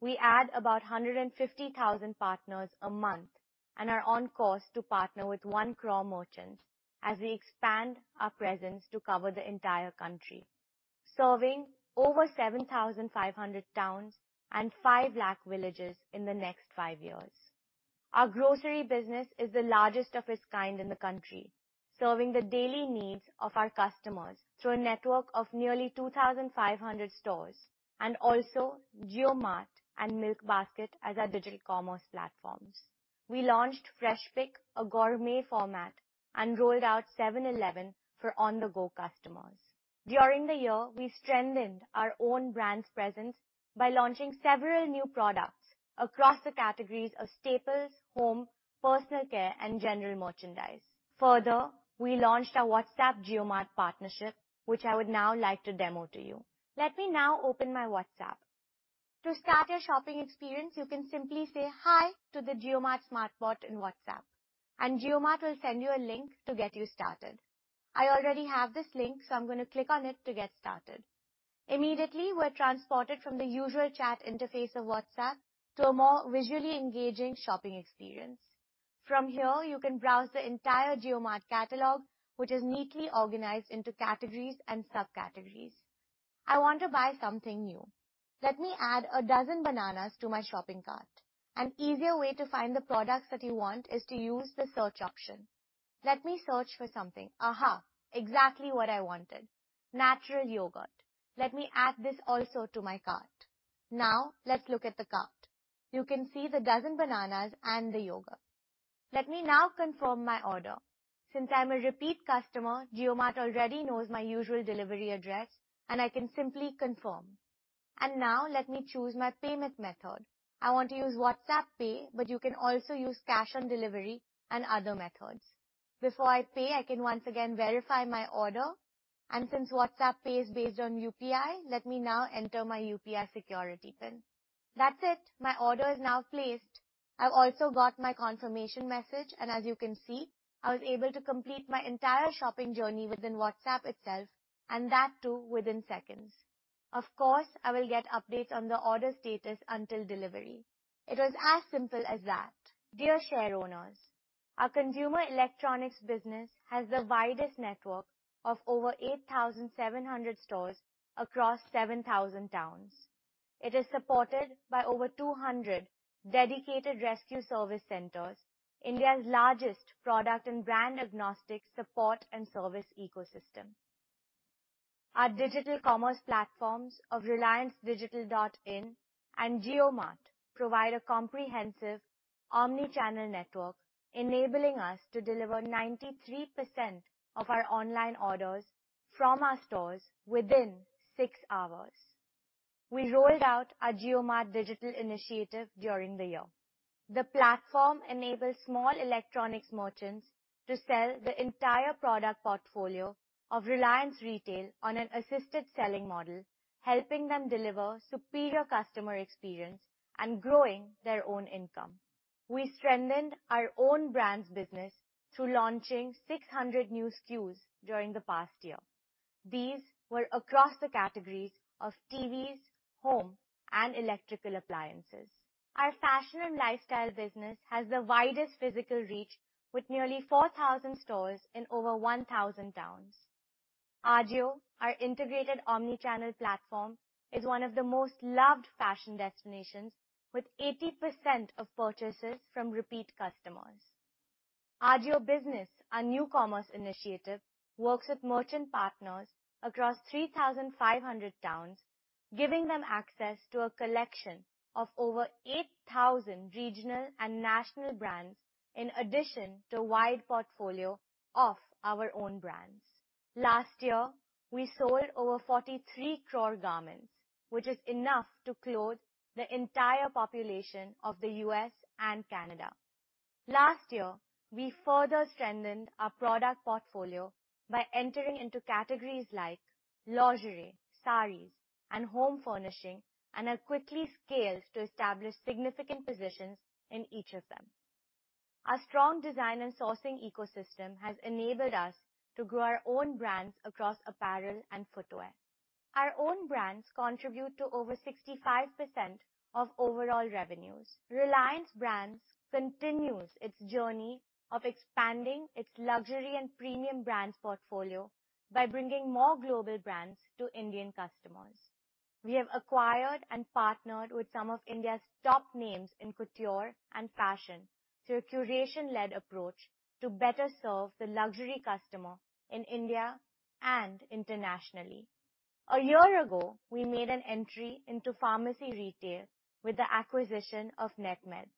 We add about 150,000 partners a month and are on course to partner with 1 crore merchants as we expand our presence to cover the entire country, serving over 7,500 towns and 5 lakh villages in the next five years. Our grocery business is the largest of its kind in the country, serving the daily needs of our customers through a network of nearly 2,500 stores and also JioMart and Milkbasket as our digital commerce platforms. We launched a gourmet format, and rolled out 7-Eleven for on-the-go customers. During the year, we strengthened our own brand's presence by launching several new products across the categories of staples, home, personal care, and general merchandise. Further, we launched our WhatsApp Jio Mart partnership, which I would now like to demo to you. Let me now open my WhatsApp. To start your shopping experience, you can simply say "Hi" to the JioMart smart bot in WhatsApp, and JioMart will send you a link to get you started. I already have this link, so I'm gonna click on it to get started. Immediately, we're transported from the usual chat interface of WhatsApp to a more visually engaging shopping experience. From here, you can browse the entire Jio Mart catalog, which is neatly organized into categories and subcategories. I want to buy something new. Let me add a dozen bananas to my shopping cart. An easier way to find the products that you want is to use the search option. Let me search for something. ExActly what I wanted. Natural yogurt. Let me add this also to my cart. Now let's look at the cart. You can see the dozen bananas and the yogurt. Let me now confirm my order. Since I'm a repeat customer, Jio Mart already knows my usual delivery address, and I can simply confirm. Now let me choose my payment method. I want to use WhatsApp Pay, but you can also use cash on delivery and other methods. Before I pay can once again verify my order, and since WhatsApp Pay is based on UPI, let me now enter my UPI security PIN. That's it. My order is now placed. I've also got my confirmation message, and as you can see, I was able to complete my entire shopping journey within WhatsApp itself, and that too, within seconds. Of course, I will get updates on the order status until delivery. It was as simple as that. Dear share owners, our consumer electronics business has the widest network of over 8,700 stores across 7,000 towns. It is supported by over 200 dedicated rescue service centers, India's largest product and brand agnostic support and service ecosystem. Our digital commerce platforms of RelianceDigital.in and Jio Mart provide a comprehensive omni-channel network, enabling us to deliver 93% of our online orders from our stores within six hours. We rolled out our Jio Mart digital initiative during the year. The platform enables small electronics merchants to sell the entire product portfolio of Reliance Retail on an assisted selling model, helping them deliver superior customer experience and growing their own income. We strengthened our own brands business through launching 600 new SKUs during the past year. These were across the categories of TVs, home, and electrical appliances. Our fashion and lifestyle business has the widest physical reach with nearly 4,000 stores in over 1,000 towns. Ajio, our integrated omni-channel platform, is one of the most loved fashion destinations with 80% of purchases from repeat customers. Our Jio business, our new commerce initiative, works with merchant partners across 3,500 towns, giving them access to a collection of over 8,000 regional and national brands, in addition to a wide portfolio of our own brands. Last year, we sold over 43 crore garments, which is enough to clothe the entire population of the U.S. and Canada. Last year, we further strengthened our product portfolio by entering into categories like lingerie, sarees and home furnishing, and have quickly scaled to establish significant positions in each of them. Our strong design and sourcing ecosystem has enabled us to grow our own brands across apparel and footwear. Our own brands contribute to over 65% of overall revenues. Reliance Brands continues its journey of expanding its luxury and premium brands portfolio by bringing more global brands to Indian customers. We have acquired and partnered with some of India's top names in couture and fashion through a curation-led approach to better serve the luxury customer in India and internationally. A year ago, we made an entry into pharmacy retail with the acquisition of Netmeds.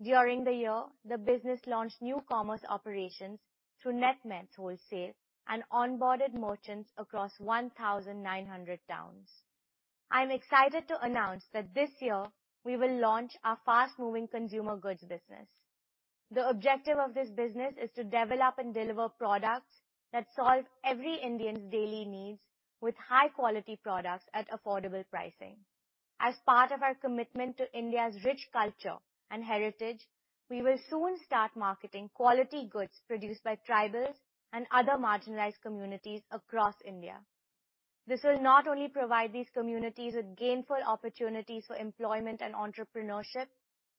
During the year, the business launched new commerce operations through Netmeds wholesale and onboarded merchants across 1,900 towns. I'm excited to announce that this year we will launch our fast-moving consumer goods business. The objective of this business is to develop and deliver products that solve every Indian's daily needs with high-quality products at affordable pricing. As part of our commitment to India's rich culture and heritage, we will soon start marketing quality goods produced by tribals and other marginalized communities across India. This will not only provide these communities with gainful opportunities for employment and entrepreneurship,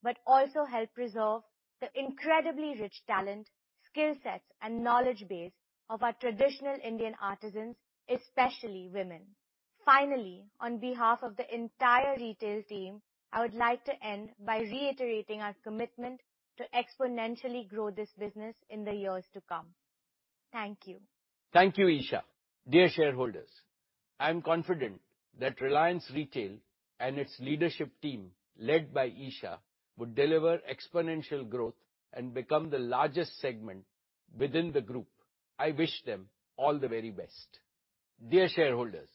but also help preserve the incredibly rich talent, skill sets, and knowledge base of our traditional Indian artisans, especially women. Finally, on behalf of the entire retail team, I would like to end by reiterating our commitment to exponentially grow this business in the years to come. Thank you. Thank you, Isha. Dear shareholders, I am confident that Reliance Retail and its leadership team, led by Isha, would deliver exponential growth and become the largest segment within the group. I wish them all the very best. Dear shareholders,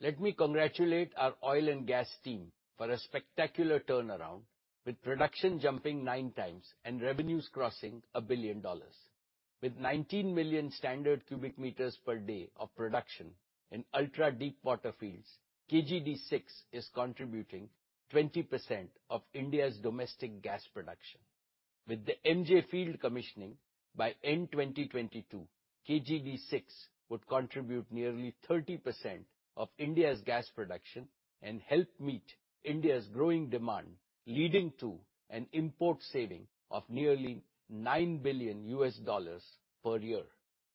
let me congratulate our oil and gas team for a spectacular turnaround, with production jumping 9 times and revenues crossing $1 billion. With 19 million standard cubic meters per day of production in ultra-deep water fields, KG-D6 is contributing 20% of India's domestic gas production. With the MJ field commissioning by end 2022, KG-D6 would contribute nearly 30% of India's gas production and help meet India's growing demand, leading to an import saving of nearly $9 billion per year.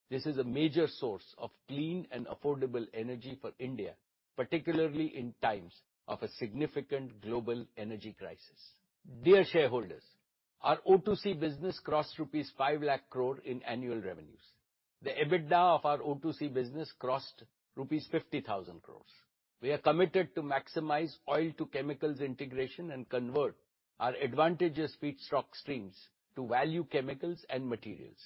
This is a major source of clean and affordable energy for India, particularly in times of a significant global energy crisis. Dear shareholders, our O2C business crossed rupees 5 lakh crore in annual revenues. The EBITDA of our O2C business crossed rupees 50,000 crore. We are committed to maximize oil to chemicals integration and convert our advantageous feedstock streams to value chemicals and materials.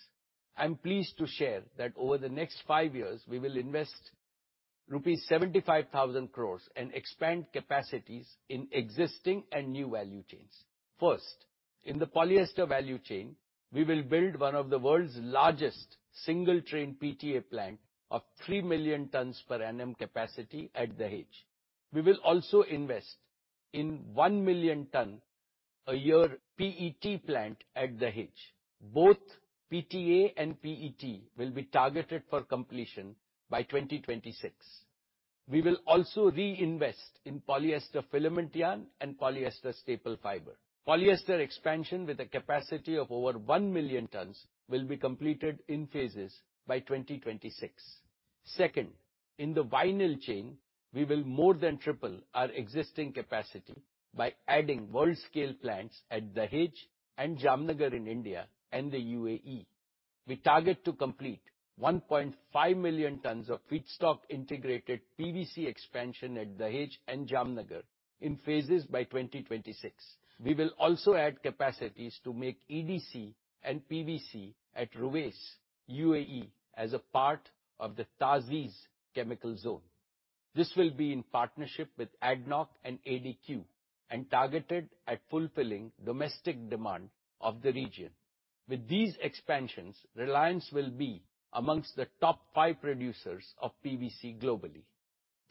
I'm pleased to share that over the next five years, we will invest rupees 75,000 crore and expand capacities in existing and new value chains. First, in the polyester value chain, we will build one of the world's largest single-train PTA plant of 3 million tons per annum capacity at Dahej. We will also invest in 1 million ton a year PET plant at Dahej. Both PTA and PET will be targeted for completion by 2026. We will also reinvest in polyester filament yarn and polyester staple fiber. Polyester expansion with a capacity of over 1 million tons will be completed in phases by 2026. Second, in the vinyl chain, we will more than triple our existing capacity by adding world-scale plants at Dahej and Jamnagar in India and the UAE. We target to complete 1.5 million tons of feedstock integrated PVC expansion at Dahej and Jamnagar in phases by 2026. We will also add capacities to make EDC and PVC at Ruwais, UAE, as a part of the TA'ZIZ Industrial Chemicals Zone. This will be in partnership with ADNOC and ADQ and targeted at fulfilling domestic demand of the region. With these expansions, Reliance will be among the top five producers of PVC globally.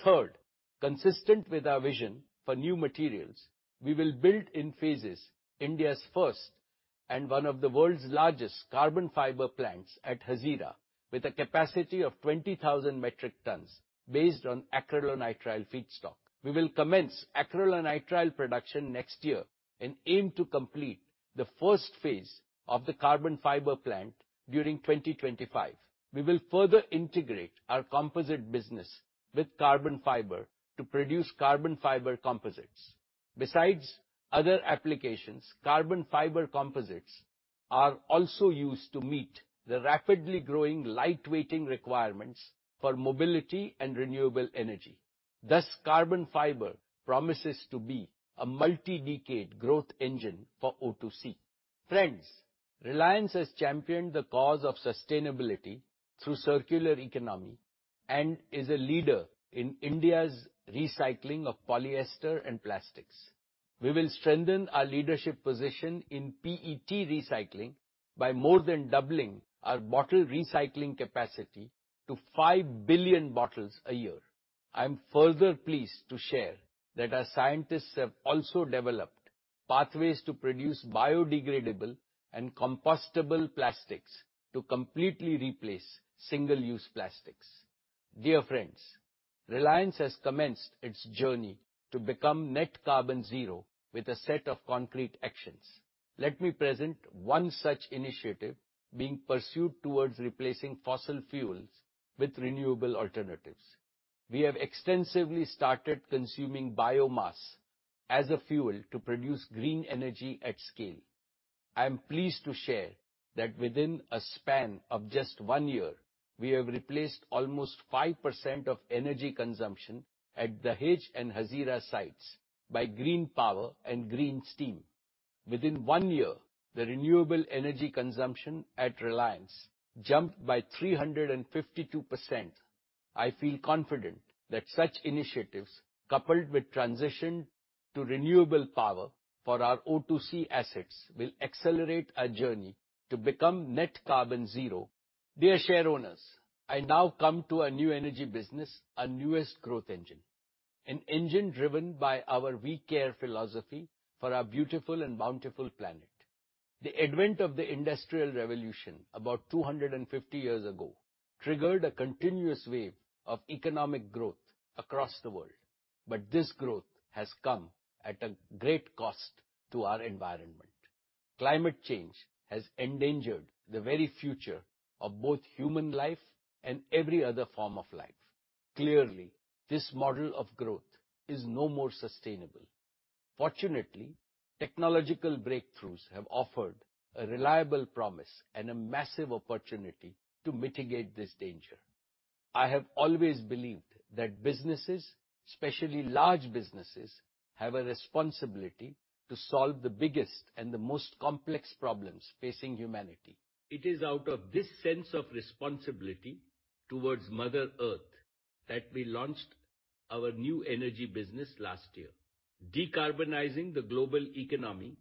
Third, consistent with our vision for new materials, we will build in phases India's first and one of the world's largest carbon fiber plants at Hazira, with a capacity of 20,000 metric tons based on acrylonitrile feedstock. We will commence acrylonitrile production next year and aim to complete the first phase of the carbon fiber plant during 2025. We will further integrate our composite business with carbon fiber to produce carbon fiber composites. Besides other applications, carbon fiber composites are also used to meet the rapidly growing light-weighting requirements for mobility and renewable energy. Thus, carbon fiber promises to be a multi-decade growth engine for O2C. Friends, Reliance has championed the cause of sustainability through circular economy and is a leader in India's recycling of polyester and plastics. We will strengthen our leadership position in PET recycling by more than doubling our bottle recycling capacity to 5 billion bottles a year. I'm further pleased to share that our scientists have also developed pathways to produce biodegradable and compostable plastics to completely replace single-use plastics. Dear friends, Reliance has commenced its journey to become net carbon zero with a set of concrete actions. Let me present one such initiative being pursued towards replacing fossil fuels with renewable alternatives. We have extensively started consuming biomass as a fuel to produce green energy at scale. I am pleased to share that within a span of just one year, we have replaced almost 5% of energy consumption at Dahej and Hazira sites by green power and green steam. Within one year, the renewable energy consumption at Reliance jumped by 352%. I feel confident that such initiatives, coupled with transition to renewable power for our O2C assets, will accelerate our journey to become net carbon zero. Dear shareowners, I now come to our new energy business, our newest growth engine, an engine driven by our We Care philosophy for our beautiful and bountiful planet. The advent of the Industrial Revolution about 250 years ago triggered a continuous wave of economic growth across the world, but this growth has come at a great cost to our environment. Climate change has endangered the very future of both human life and every other form of life. Clearly, this model of growth is no more sustainable. Fortunately technological breakthroughs have offered a reliable promise and a massive opportunity to mitigate this danger. I have always believed that businesses, especially large businesses, have a responsibility to solve the biggest and the most complex problems facing humanity. It is out of this sense of responsibility towards Mother Earth that we launched our new energy business last year. Decarbonizing the global economy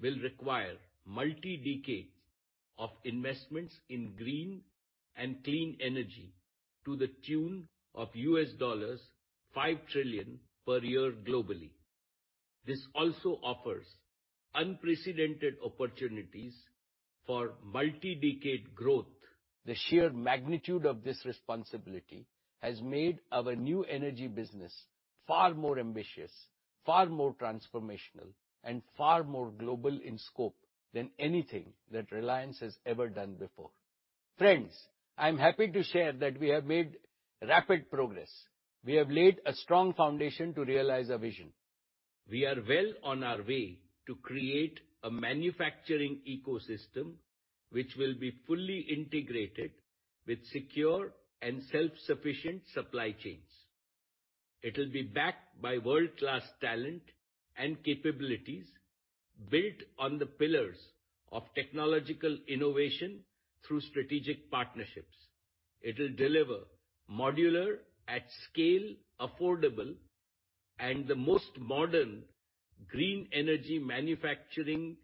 will require multi-decades of investments in green and clean energy to the tune of $5 trillion per year globally. This also offers unprecedented opportunities for multi-decade growth. The sheer magnitude of this responsibility has made our new energy business far more ambitious, far more transformational, and far more global in scope than anything that Reliance has ever done before. Friends, I am happy to share that we have made rapid progress. We have laid a strong foundation to realize our vision. We are well on our way to create a manufacturing ecosystem which will be fully integrated with secure and self-sufficient supply chains. It will be backed by world-class talent and capabilities built on the pillars of technological innovation through strategic partnerships. It will deliver modular, at scale, affordable, and the most modern green energy manufacturing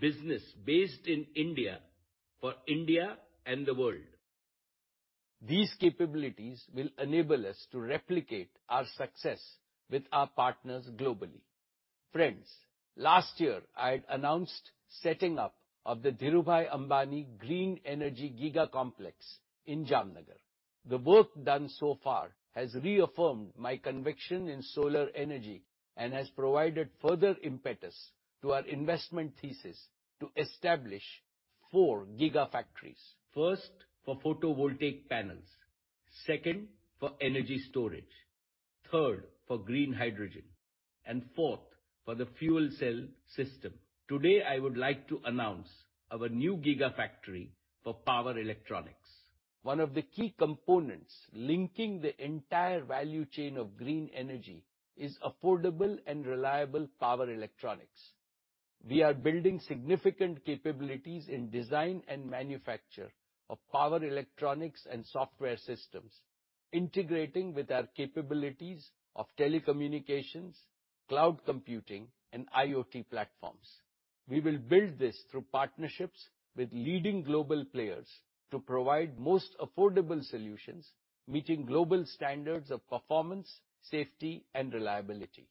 business based in India for India and the world. These capabilities will enable us to replicate our success with our partners globally. Friends, last year I had announced setting up of the Dhirubhai Ambani Green Energy Giga Complex in Jamnagar. The work done so far has reaffirmed my conviction in solar energy and has provided further impetus to our investment thesis to establish four giga factories. First, for photovoltaic panels. Second, for energy storage. Third, for green hydrogen. And fourth, for the fuel cell system. Today, I would like to announce our new giga factory for power electronics. One of the key components linking the entire value chain of green energy is affordable and reliable power electronics. We are building significant capabilities in design and manufacture of power electronics and software systems, integrating with our capabilities of telecommunications, cloud computing, and IoT platforms. We will build this through partnerships with leading global players to provide most affordable solutions, meeting global standards of performance, safety, and reliability.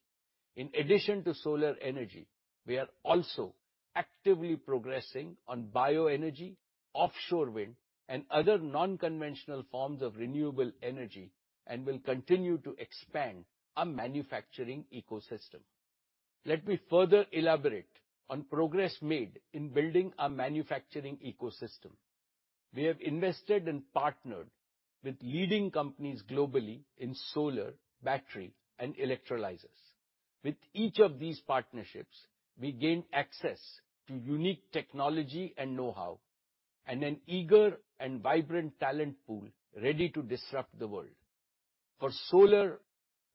In addition to solar energy, we are also actively progressing on bio energy, offshore wind, and other non-conventional forms of renewable energy and will continue to expand our manufacturing ecosystem. Let me further elaborate on progress made in building our manufacturing ecosystem. We have invested and partnered with leading companies globally in solar, battery, and electrolyzers. With each of these partnerships, we gain access to unique technology and know-how and an eager and vibrant talent pool ready to disrupt the world. For solar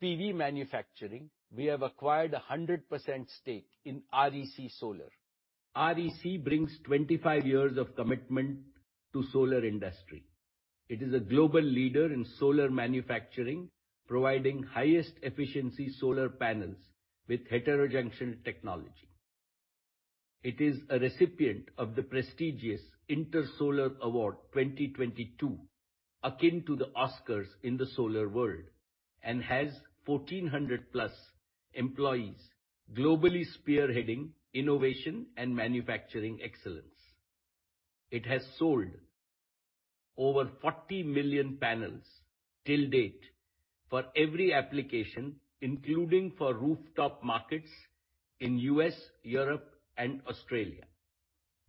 PV manufacturing, we have acquired a 100% stake in REC Solar. REC brings 25 years of commitment to solar industry. It is a global leader in solar manufacturing, providing highest efficiency solar panels with heterojunction technology. It is a recipient of the prestigious Intersolar Award 2022, akin to the Oscars in the solar world, and has 1,400+ employees globally spearheading innovation and manufacturing excellence. It has sold over 40 million panels till date for every application, including for rooftop markets in U.S., Europe, and Australia.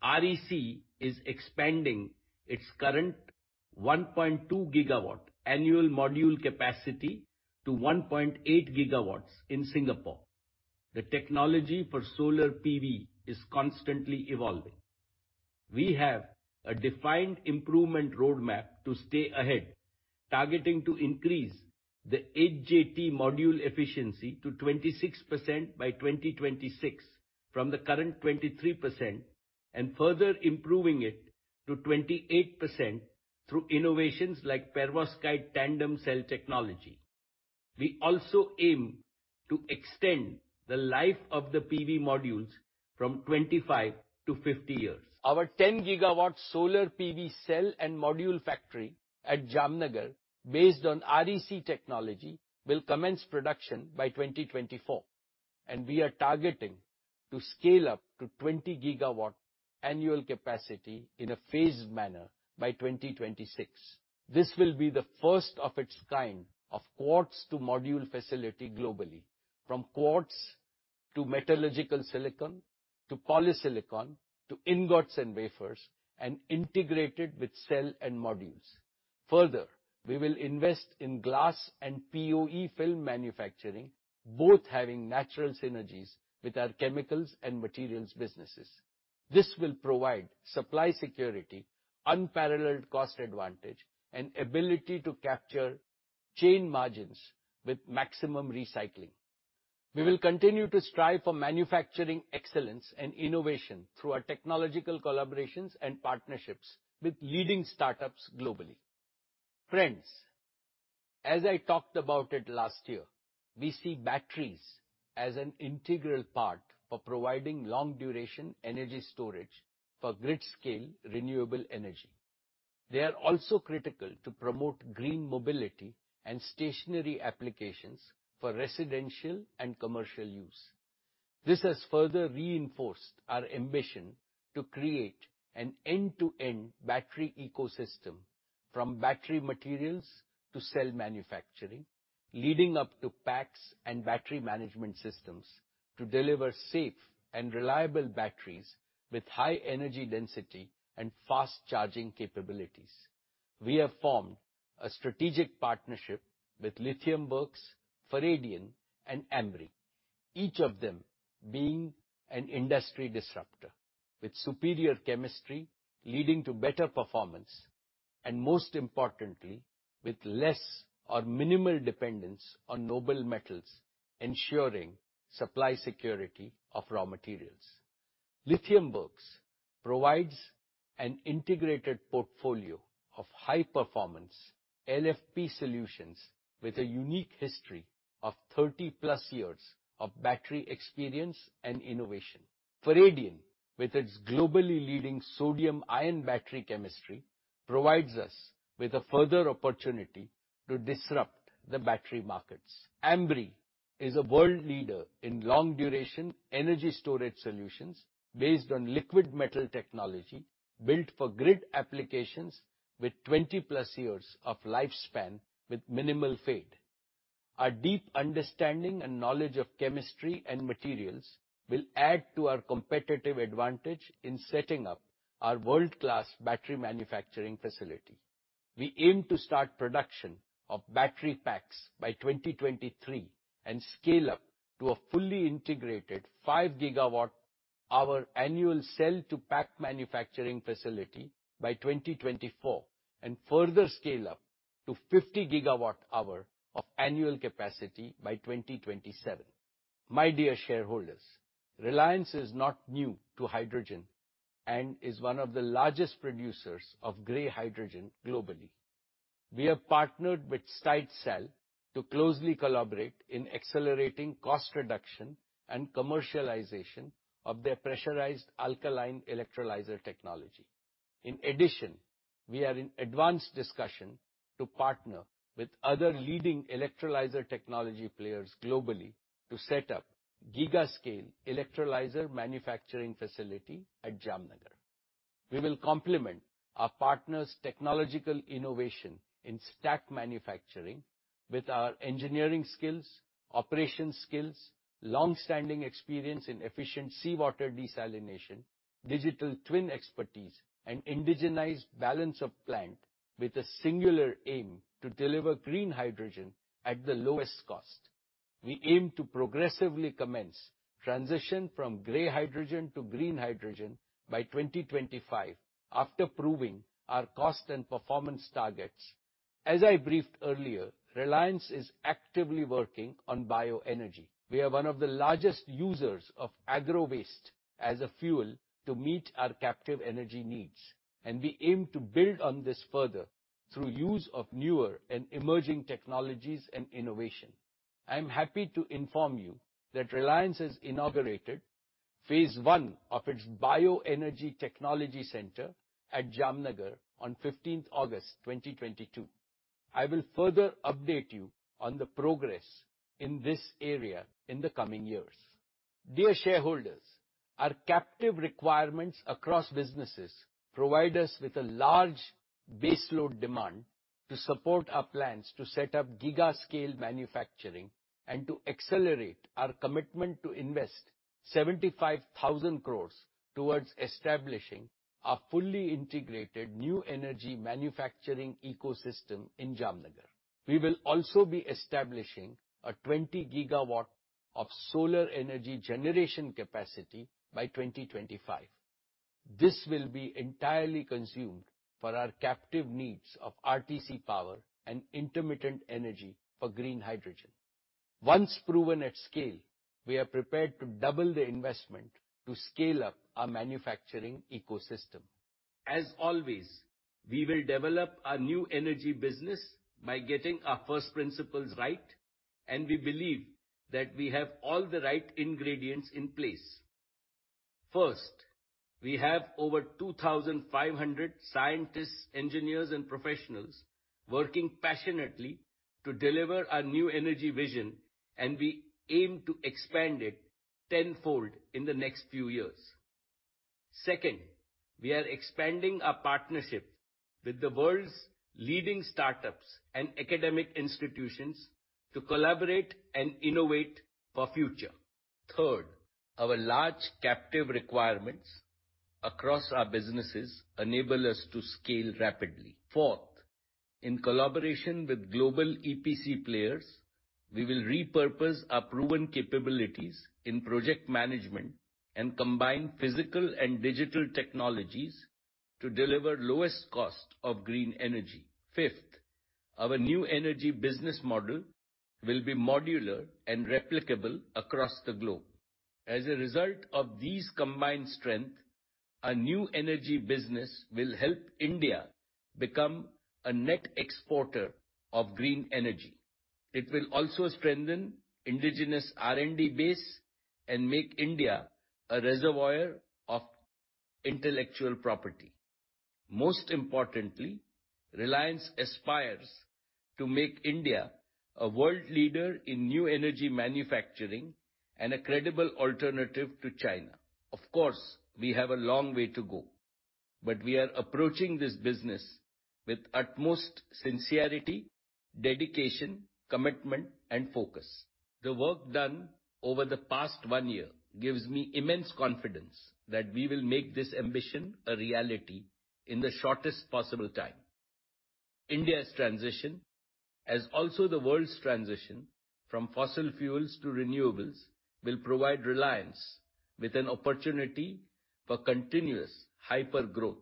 REC is expanding its current 1.2 gigawatt annual module capacity to 1.8 gigawatts in Singapore. The technology for solar PV is constantly evolving. We have a defined improvement roadmap to stay ahead, targeting to increase the HJT module efficiency to 26% by 2026 from the current 23%, and further improving it to 28% through innovations like Perovskite Tandem Cell technology. We also aim to extend the life of the PV modules from 25-50 years. Our 10 GW solar PV cell and module factory at Jamnagar, based on REC technology, will commence production by 2024, and we are targeting to scale up to 20 GW annual capacity in a phased manner by 2026. This will be the first of its kind of quartz to module facility globally, from quartz to metallurgical silicon to polysilicon to ingots and wafers, and integrated with cell and modules. Further, we will invest in glass and POE film manufacturing, both having natural synergies with our chemicals and materials businesses. This will provide supply security, unparalleled cost advantage, and ability to capture chain margins with maximum recycling. We will continue to strive for manufacturing excellence and innovation through our technological collaborations and partnerships with leading startups globally. Friends, as I talked about it last year, we see batteries as an integral part for providing long-duration energy storage for grid-scale renewable energy. They are also critical to promote green mobility and stationary applications for residential and commercial use. This has further reinforced our ambition to create an end-to-end battery ecosystem from battery materials to cell manufacturing, leading up to packs and battery management systems to deliver safe and reliable batteries with high energy density and fast charging capabilities. We have formed a strategic partnership with Lithium Werks, Faradion, and Ambri, each of them being an industry disruptor with superior chemistry leading to better performance, and most importantly, with less or minimal dependence on noble metals, ensuring supply security of raw materials. provides an integrated portfolio of high performance LFP solutions with a unique history of 30+ years of battery experience and innovation. Faradion, with its globally leading sodium-ion battery chemistry, provides us with a further opportunity to disrupt the battery markets. Ambri is a world leader in long duration energy storage solutions based on liquid metal technology built for grid applications with 20+ years of lifespan with minimal fade. Our deep understanding and knowledge of chemistry and materials will add to our competitive advantage in setting up our world-class battery manufacturing facility. We aim to start production of battery packs by 2023 and scale up to a fully integrated 5 GWh annual cell to pack manufacturing facility by 2024, and further scale up to 50 GWh of annual capacity by 2027. My dear shareholders, Reliance is not new to hydrogen and is one of the largest producers of gray hydrogen globally. We have partnered with Stiesdal to closely collaborate in accelerating cost reduction and commercialization of their pressurized alkaline electrolyzer technology. In addition, we are in advanced discussion to partner with other leading electrolyzer technology players globally to set up giga scale electrolyzer manufacturing facility at Jamnagar. We will complement our partner's technological innovation in stack manufacturing with our engineering skills, operation skills, long-standing experience in efficient seawater desalination, digital twin expertise, and indigenized balance of plant with a singular aim to deliver green hydrogen at the lowest cost. We aim to progressively commence transition from gray hydrogen to green hydrogen by 2025 after proving our cost and performance targets. As I briefed earlier, Reliance is actively working on bioenergy. We are one of the largest users of agro waste as a fuel to meet our captive energy needs, and we aim to build on this further through use of newer and emerging technologies and innovation. I am happy to inform you that Reliance has inaugurated phase one of its bioenergy technology center at Jamnagar on 15th August 2022. I will further update you on the progress in this area in the coming years. Dear shareholders, our captive requirements across businesses provide us with a large baseload demand to support our plans to set up giga scale manufacturing and to accelerate our commitment to invest 75,000 crore towards establishing a fully integrated new energy manufacturing ecosystem in Jamnagar. We will also be establishing a 20 gigawatt of solar energy generation capacity by 2025. This will be entirely consumed for our captive needs of RTC power and intermittent energy for green hydrogen. Once proven at scale, we are prepared to double the investment to scale up our manufacturing ecosystem. As always, we will develop our new energy business by getting our first principles right, and we believe that we have all the right ingredients in place. First, we have over 2,500 scientists, engineers, and professionals working passionately to deliver our new energy vision, and we aim to expand it tenfold in the next few years. Second, we are expanding our partnership with the world's leading startups and academic institutions to collaborate and innovate for future. Third, our large captive requirements across our businesses enable us to scale rapidly. Fourth, in collaboration with global EPC players, we will repurpose our proven capabilities in project management and combine physical and digital technologies to deliver lowest cost of green energy. Fifth, our new energy business model will be modular and replicable across the globe. As a result of these combined strength, our new energy business will help India become a net exporter of green energy. It will also strengthen indigenous R&D base and make India a reservoir of intellectual property. Most importantly, Reliance aspires to make India a world leader in new energy manufacturing and a credible alternative to China. Of course, we have a long way to go, but we are approaching this business with utmost sincerity, dedication, commitment, and focus. The work done over the past one year gives me immense confidence that we will make this ambition a reality in the shortest possible time. India's transition, as also the world's transition from fossil fuels to renewables, will provide Reliance with an opportunity for continuous hyper growth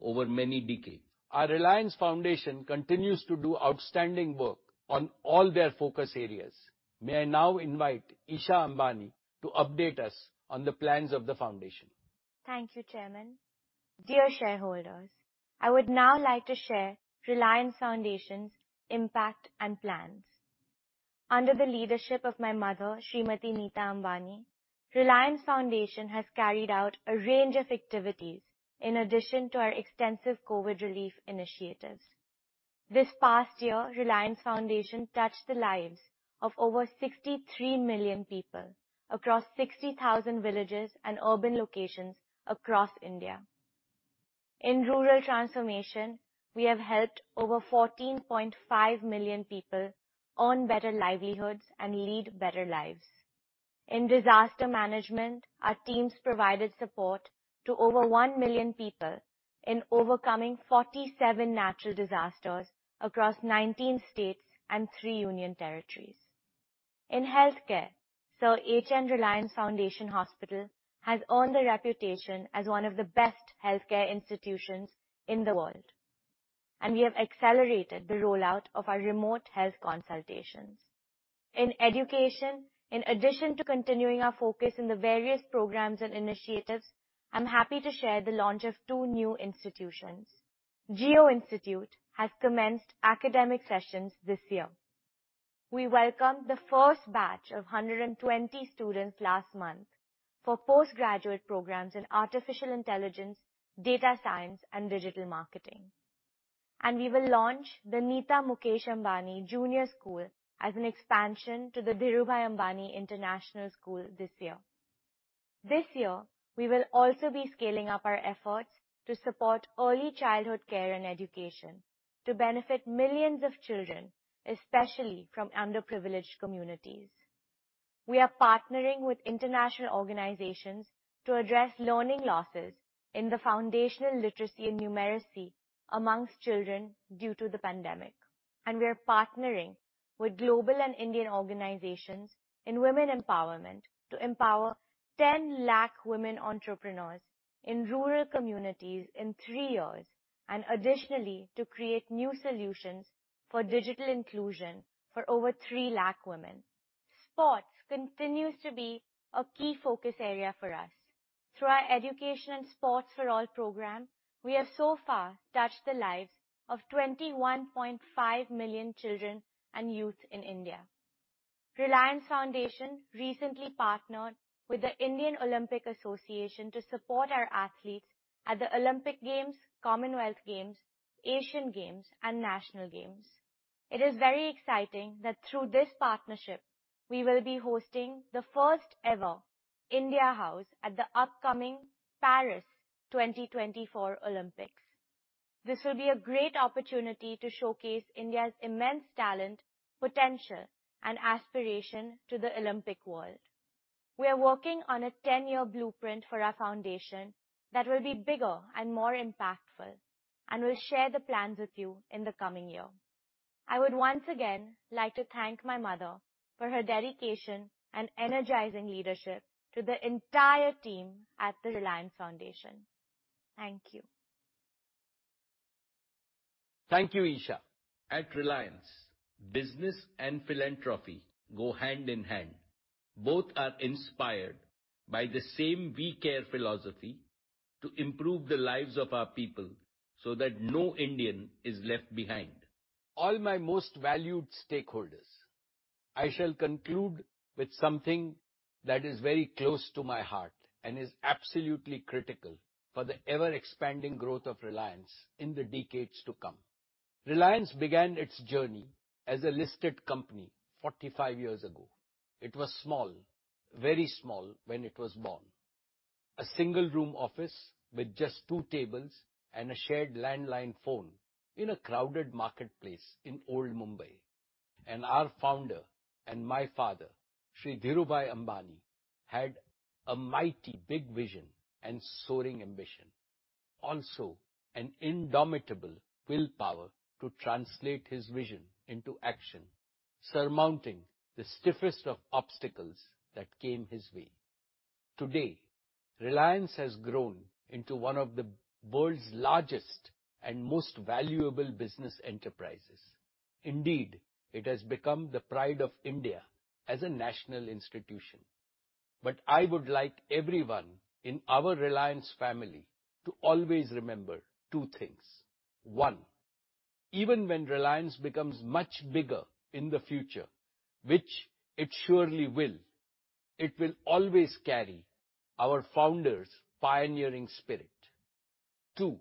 over many decades. Our Reliance Foundation continues to do outstanding work on all their focus areas. May I now invite Isha Ambani to update us on the plans of the foundation. Thank you, Chairman. Dear shareholders, I would now like to share Reliance Foundation's impact and plans. Under the leadership of my mother, Srimati Nita Ambani, Reliance Foundation has carried out a range of activities in addition to our extensive COVID relief initiatives. This past year, Reliance Foundation touched the lives of over 63 million people across 60,000 villages and urban locations across India. In rural transformation, we have helped over 14.5 million people own better livelihoods and lead better lives. In disaster management, our teams provided support to over 1 million people in overcoming 47 natural disasters across 19 states and 3 union territories. In healthcare, Sir H.N. Reliance Foundation Hospital has earned a reputation as one of the best healthcare institutions in the world, and we have accelerated the rollout of our remote health consultations. In education, in addition to continuing our focus in the various programs and initiatives, I'm happy to share the launch of two new institutions. Jio Institute has commenced academic sessions this year. We welcomed the first batch of 120 students last month for postgraduate programs in artificial intelligence, data science, and digital marketing. We will launch the Nita Mukesh Ambani Junior School as an expansion to the Dhirubhai Ambani International School this year. This year, we will also be scaling up our efforts to support early childhood care and education to benefit millions of children, especially from underprivileged communities. We are partnering with international organizations to address learning losses in the foundational literacy and numeracy amongst children due to the pandemic. We are partnering with global and Indian organizations in women empowerment to empower 10 lakh women entrepreneurs in rural communities in three years and additionally, to create new solutions for digital inclusion for over 3 lakh women. Sports continues to be a key focus area for us. Through our Education and Sports for All program, we have so far touched the lives of 21.5 million children and youth in India. Reliance Foundation recently partnered with the Indian Olympic Association to support our athletes at the Olympic Games, Commonwealth Games, Asian Games and National Games. It is very exciting that through this partnership, we will be hosting the first ever India House at the upcoming Paris 2024 Olympics. This will be a great opportunity to showcase India's immense talent, potential and aspiration to the Olympic world. We are working on a 10-year blueprint for our foundation that will be bigger and more impactful and will share the plans with you in the coming year. I would once again like to thank my mother for her dedication and energizing leadership to the entire team at the Reliance Foundation. Thank you. Thank you, Isha. At Reliance, business and philanthropy go hand in hand. Both are inspired by the same we care philosophy to improve the lives of our people so that no Indian is left behind. All my most valued stakeholders, I shall conclude with something that is very close to my heart and is absolutely critical for the ever-expanding growth of Reliance in the decades to come. Reliance began its journey as a listed company 45 years ago. It was small, very small, when it was born. A single-room office with just two tables and a shared landline phone in a crowded marketplace in old Mumbai. Our founder and my father, Shri Dhirubhai Ambani, had a mighty big vision and soaring ambition. Also, an indomitable willpower to translate his vision into action, surmounting the stiffest of obstacles that came his way. Today, Reliance has grown into one of the world's largest and most valuable business enterprises. Indeed, it has become the pride of India as a national institution. I would like everyone in our Reliance family to always remember two things. One, even when Reliance becomes much bigger in the future, which it surely will, it will always carry our founder's pioneering spirit. Two,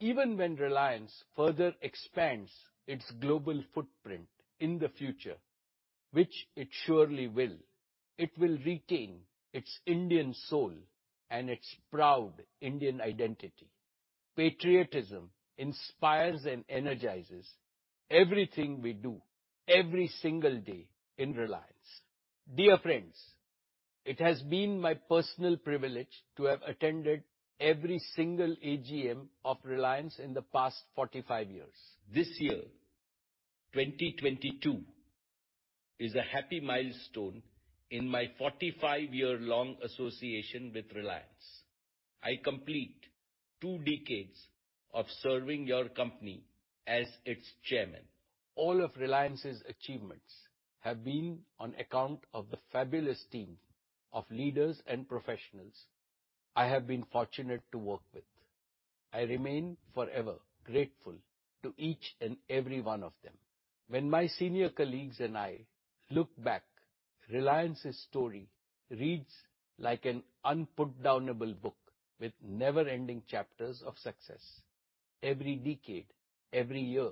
even when Reliance further expands its global footprint in the future, which it surely will, it will retain its Indian soul and its proud Indian identity. Patriotism inspires and energizes everything we do every single day in Reliance. Dear friends, it has been my personal privilege to have attended every single AGM of Reliance in the past 45 years. This year, 2022, is a happy milestone in my 45-year-long association with Reliance. I complete two decades of serving your company as its chairman. All of Reliance's achievements have been on account of the fabulous team of leaders and professionals I have been fortunate to work with. I remain forever grateful to each and every one of them. When my senior colleagues and I look back, Reliance's story reads like an unputdownable book with never-ending chapters of success. Every decade, every year,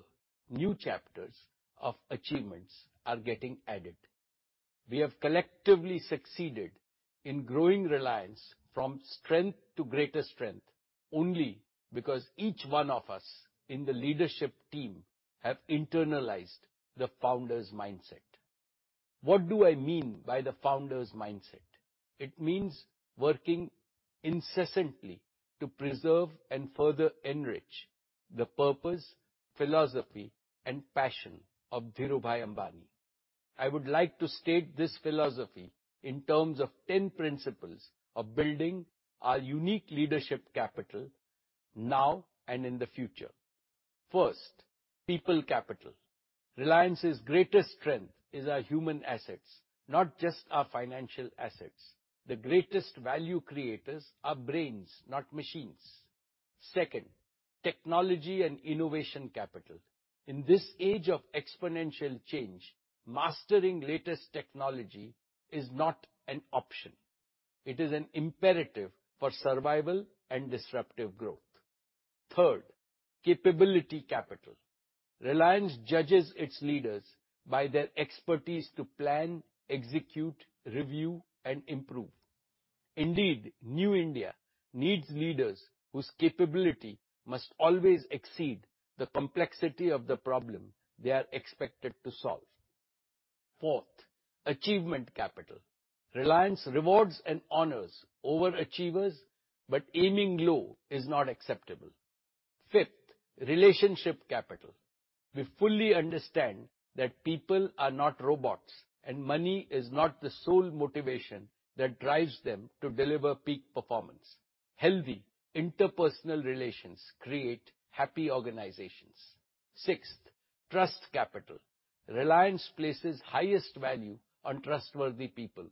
new chapters of achievements are getting added. We have collectively succeeded in growing Reliance from strength to greater strength only because each one of us in the leadership team have internalized the founder's mindset. What do I mean by the founder's mindset? It means working incessantly to preserve and further enrich the purpose, philosophy, and passion of Dhirubhai Ambani. I would like to state this philosophy in terms of ten principles of building our unique leadership capital now and in the future. First, people capital. Reliance's greatest strength is our human assets, not just our financial assets. The greatest value creators are brains, not machines. Second, technology and innovation capital. In this age of exponential change, mastering latest technology is not an option. It is an imperative for survival and disruptive growth. Third, capability capital. Reliance judges its leaders by their expertise to plan, execute, review, and improve. Indeed, new India needs leaders whose capability must always exceed the complexity of the problem they are expected to solve. Fourth, achievement capital. Reliance rewards and honors overachievers, but aiming low is not acceptable. Fifth, relationship capital. We fully understand that people are not robots, and money is not the sole motivation that drives them to deliver peak performance. Healthy interpersonal relations create happy organizations. Sixth, trust capital. Reliance places highest value on trustworthy people.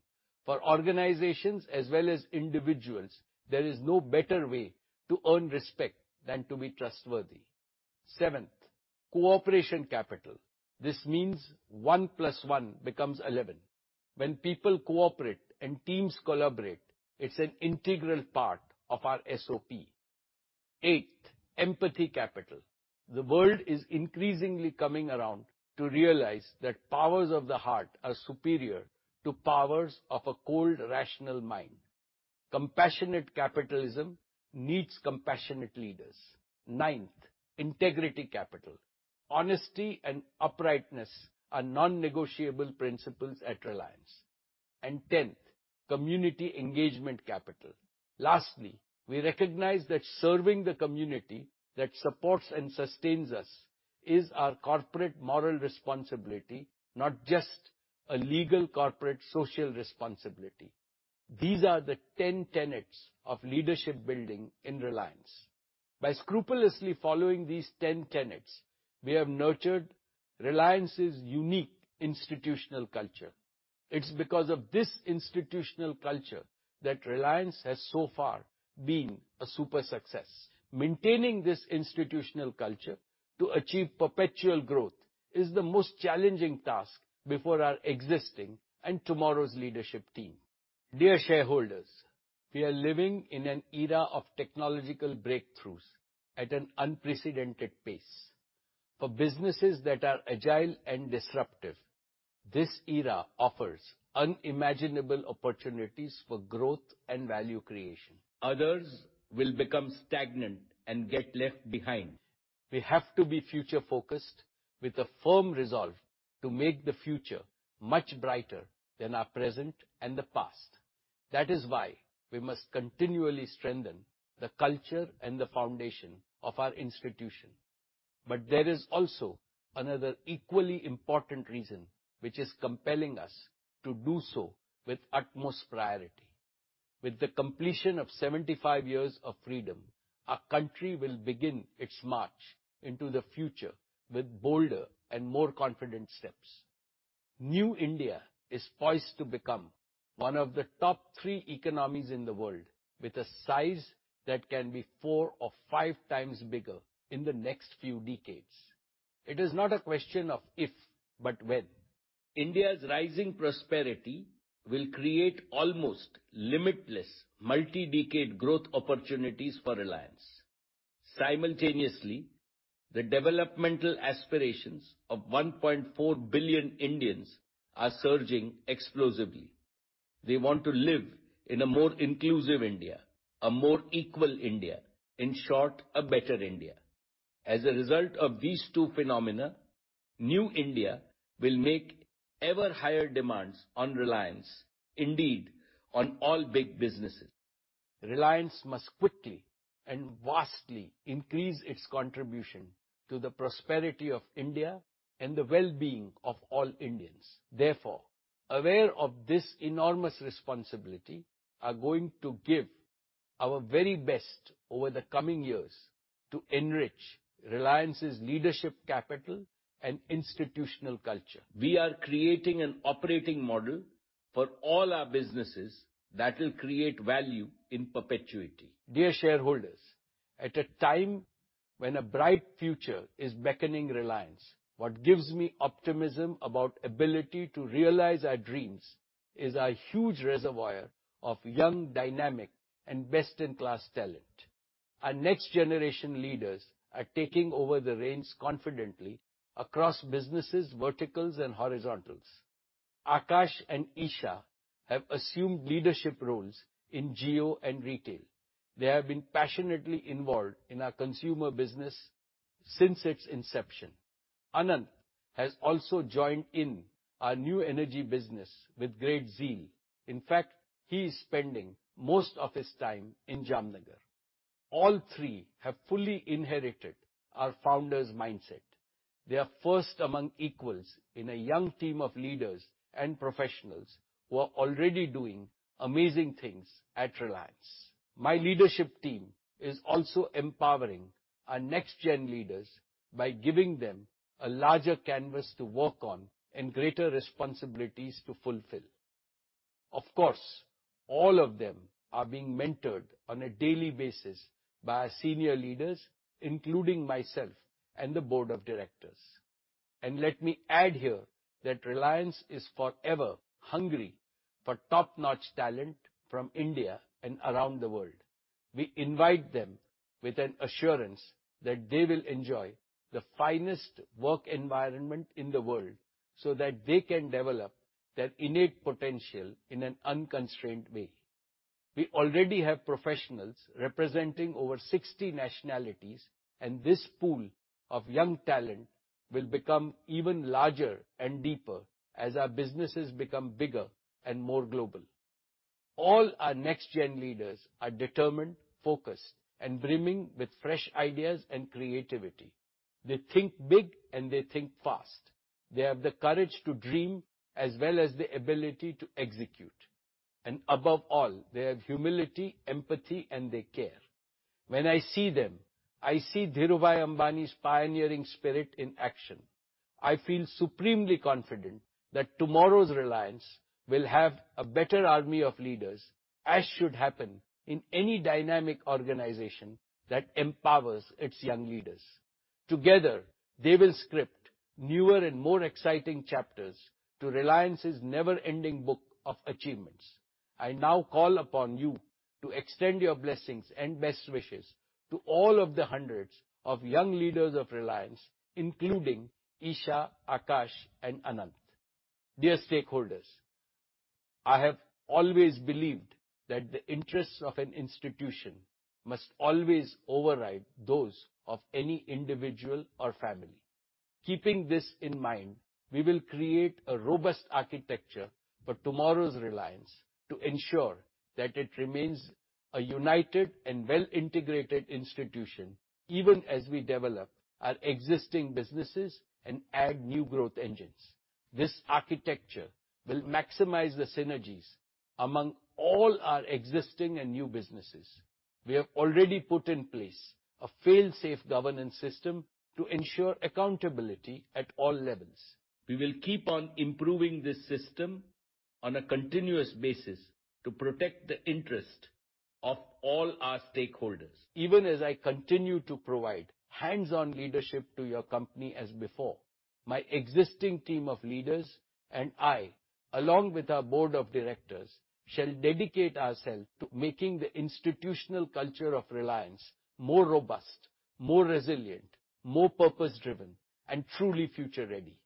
For organizations as well as individuals, there is no better way to earn respect than to be trustworthy. Seventh, cooperation capital. This means one plus one becomes eleven. When people cooperate and teams collaborate, it's an integral part of our SOP. Eighth, empathy capital. The world is increasingly coming around to realize that powers of the heart are superior to powers of a cold, rational mind. Compassionate capitalism needs compassionate leaders. Ninth, integrity capital. Honesty and uprightness are non-negotiable principles at Reliance. Tenth, community engagement capital. Lastly, we recognize that serving the community that supports and sustains us is our corporate moral responsibility, not just a legal corporate social responsibility. These are the ten tenets of leadership building in Reliance. By scrupulously following these ten tenets, we have nurtured Reliance's unique institutional culture. It's because of this institutional culture that Reliance has so far been a super success. Maintaining this institutional culture to achieve perpetual growth is the most challenging task before our existing and tomorrow's leadership team. Dear shareholders, we are living in an era of technological breakthroughs at an unprecedented pace. For businesses that are agile and disruptive, this era offers unimaginable opportunities for growth and value creation. Others will become stagnant and get left behind. We have to be future-focused with a firm resolve to make the future much brighter than our present and the past. That is why we must continually strengthen the culture and the foundation of our institution. But there is also another equally important reason which is compelling us to do so with utmost priority. With the completion of 75 years of freedom, our country will begin its march into the future with bolder and more confident steps. New India is poised to become one of the top three economies in the world, with a size that can be 4 or 5 times bigger in the next few decades. It is not a question of if, but when. India's rising prosperity will create almost limitless multi-decade growth opportunities for Reliance. Simultaneously, the developmental aspirations of 1.4 billion Indians are surging explosively. They want to live in a more inclusive India, a more equal India. In short, a better India. As a result of these two phenomena, New India will make ever higher demands on Reliance. Indeed, on all big businesses. Reliance must quickly and vastly increase its contribution to the prosperity of India and the well-being of all Indians. Therefore, we are aware of this enormous responsibility, we are going to give our very best over the coming years to enrich Reliance's leadership capital and institutional culture. We are creating an operating model for all our businesses that will create value in perpetuity. Dear shareholders, at a time when a bright future is beckoning Reliance, what gives me optimism about ability to realize our dreams is our huge reservoir of young, dynamic, and best-in-class talent. Our next generation leaders are taking over the reins confidently across businesses, verticals, and horizontals. Akash and Isha have assumed leadership roles in Jio and Retail. They have been passionately involved in our consumer business since its inception. Anant has also joined in our new energy business with great zeal. In fact, he is spending most of his time in Jamnagar. All three have fully inherited our founder's mindset. They are first among equals in a young team of leaders and professionals who are already doing amazing things at Reliance. My leadership team is also empowering our next-gen leaders by giving them a larger canvas to work on and greater responsibilities to fulfill. Of course, all of them are being mentored on a daily basis by our senior leaders, including myself and the board of directors. Let me add here that Reliance is forever hungry for top-notch talent from India and around the world. We invite them with an assurance that they will enjoy the finest work environment in the world so that they can develop their innate potential in an unconstrained way. We already have professionals representing over 60 nationalities, and this pool of young talent will become even larger and deeper as our businesses become bigger and more global. All our next-gen leaders are determined, focused, and brimming with fresh ideas and creativity. They think big, and they think fast. They have the courage to dream as well as the ability to execute. Above all, they have humility, empathy, and they care. When I see them, I see Dhirubhai Ambani's pioneering spirit in action. I feel supremely confident that tomorrow's Reliance will have a better army of leaders, as should happen in any dynamic organization that empowers its young leaders. Together, they will script newer and more exciting chapters to Reliance's never-ending book of achievements. I now call upon you to extend your blessings and best wishes to all of the hundreds of young leaders of Reliance, including Isha, Akash, and Anant. Dear stakeholders, I have always believed that the interests of an institution must always override those of any individual or family. Keeping this in mind, we will create a robust architecture for tomorrow's Reliance to ensure that it remains a united and well-integrated institution, even as we develop our existing businesses and add new growth engines. This architecture will maximize the synergies among all our existing and new businesses. We have already put in place a fail-safe governance system to ensure accountability at all levels. We will keep on improving this system on a continuous basis to protect the interest of all our stakeholders. Even as I continue to provide hands-on leadership to your company as before, my existing team of leaders and I, along with our board of directors, shall dedicate ourselves to making the institutional culture of Reliance more robust, more resilient, more purpose-driven, and truly future-ready.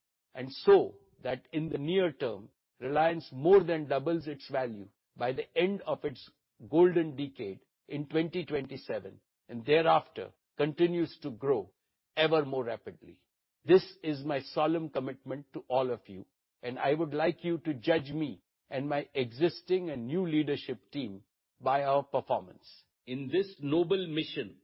That in the near term, Reliance more than doubles its value by the end of its golden decade in 2027, and thereafter continues to grow ever more rapidly. This is my solemn commitment to all of you, and I would like you to judge me and my existing and new leadership team by our performance. In this noble mission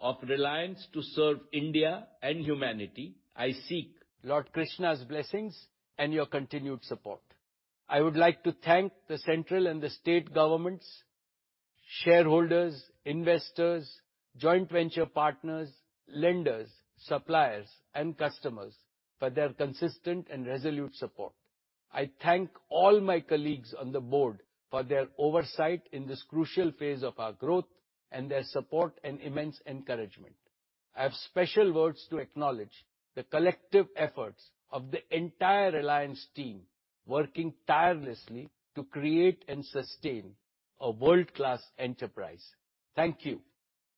of Reliance to serve India and humanity, I seek Lord Krishna's blessings and your continued support. I would like to thank the central and the state governments, shareholders, investors, joint venture partners, lenders, suppliers, and customers for their consistent and resolute support. I thank all my colleagues on the board for their oversight in this crucial phase of our growth and their support and immense encouragement. I have special words to acknowledge the collective efforts of the entire Reliance team working tirelessly to create and sustain a world-class enterprise. Thank you.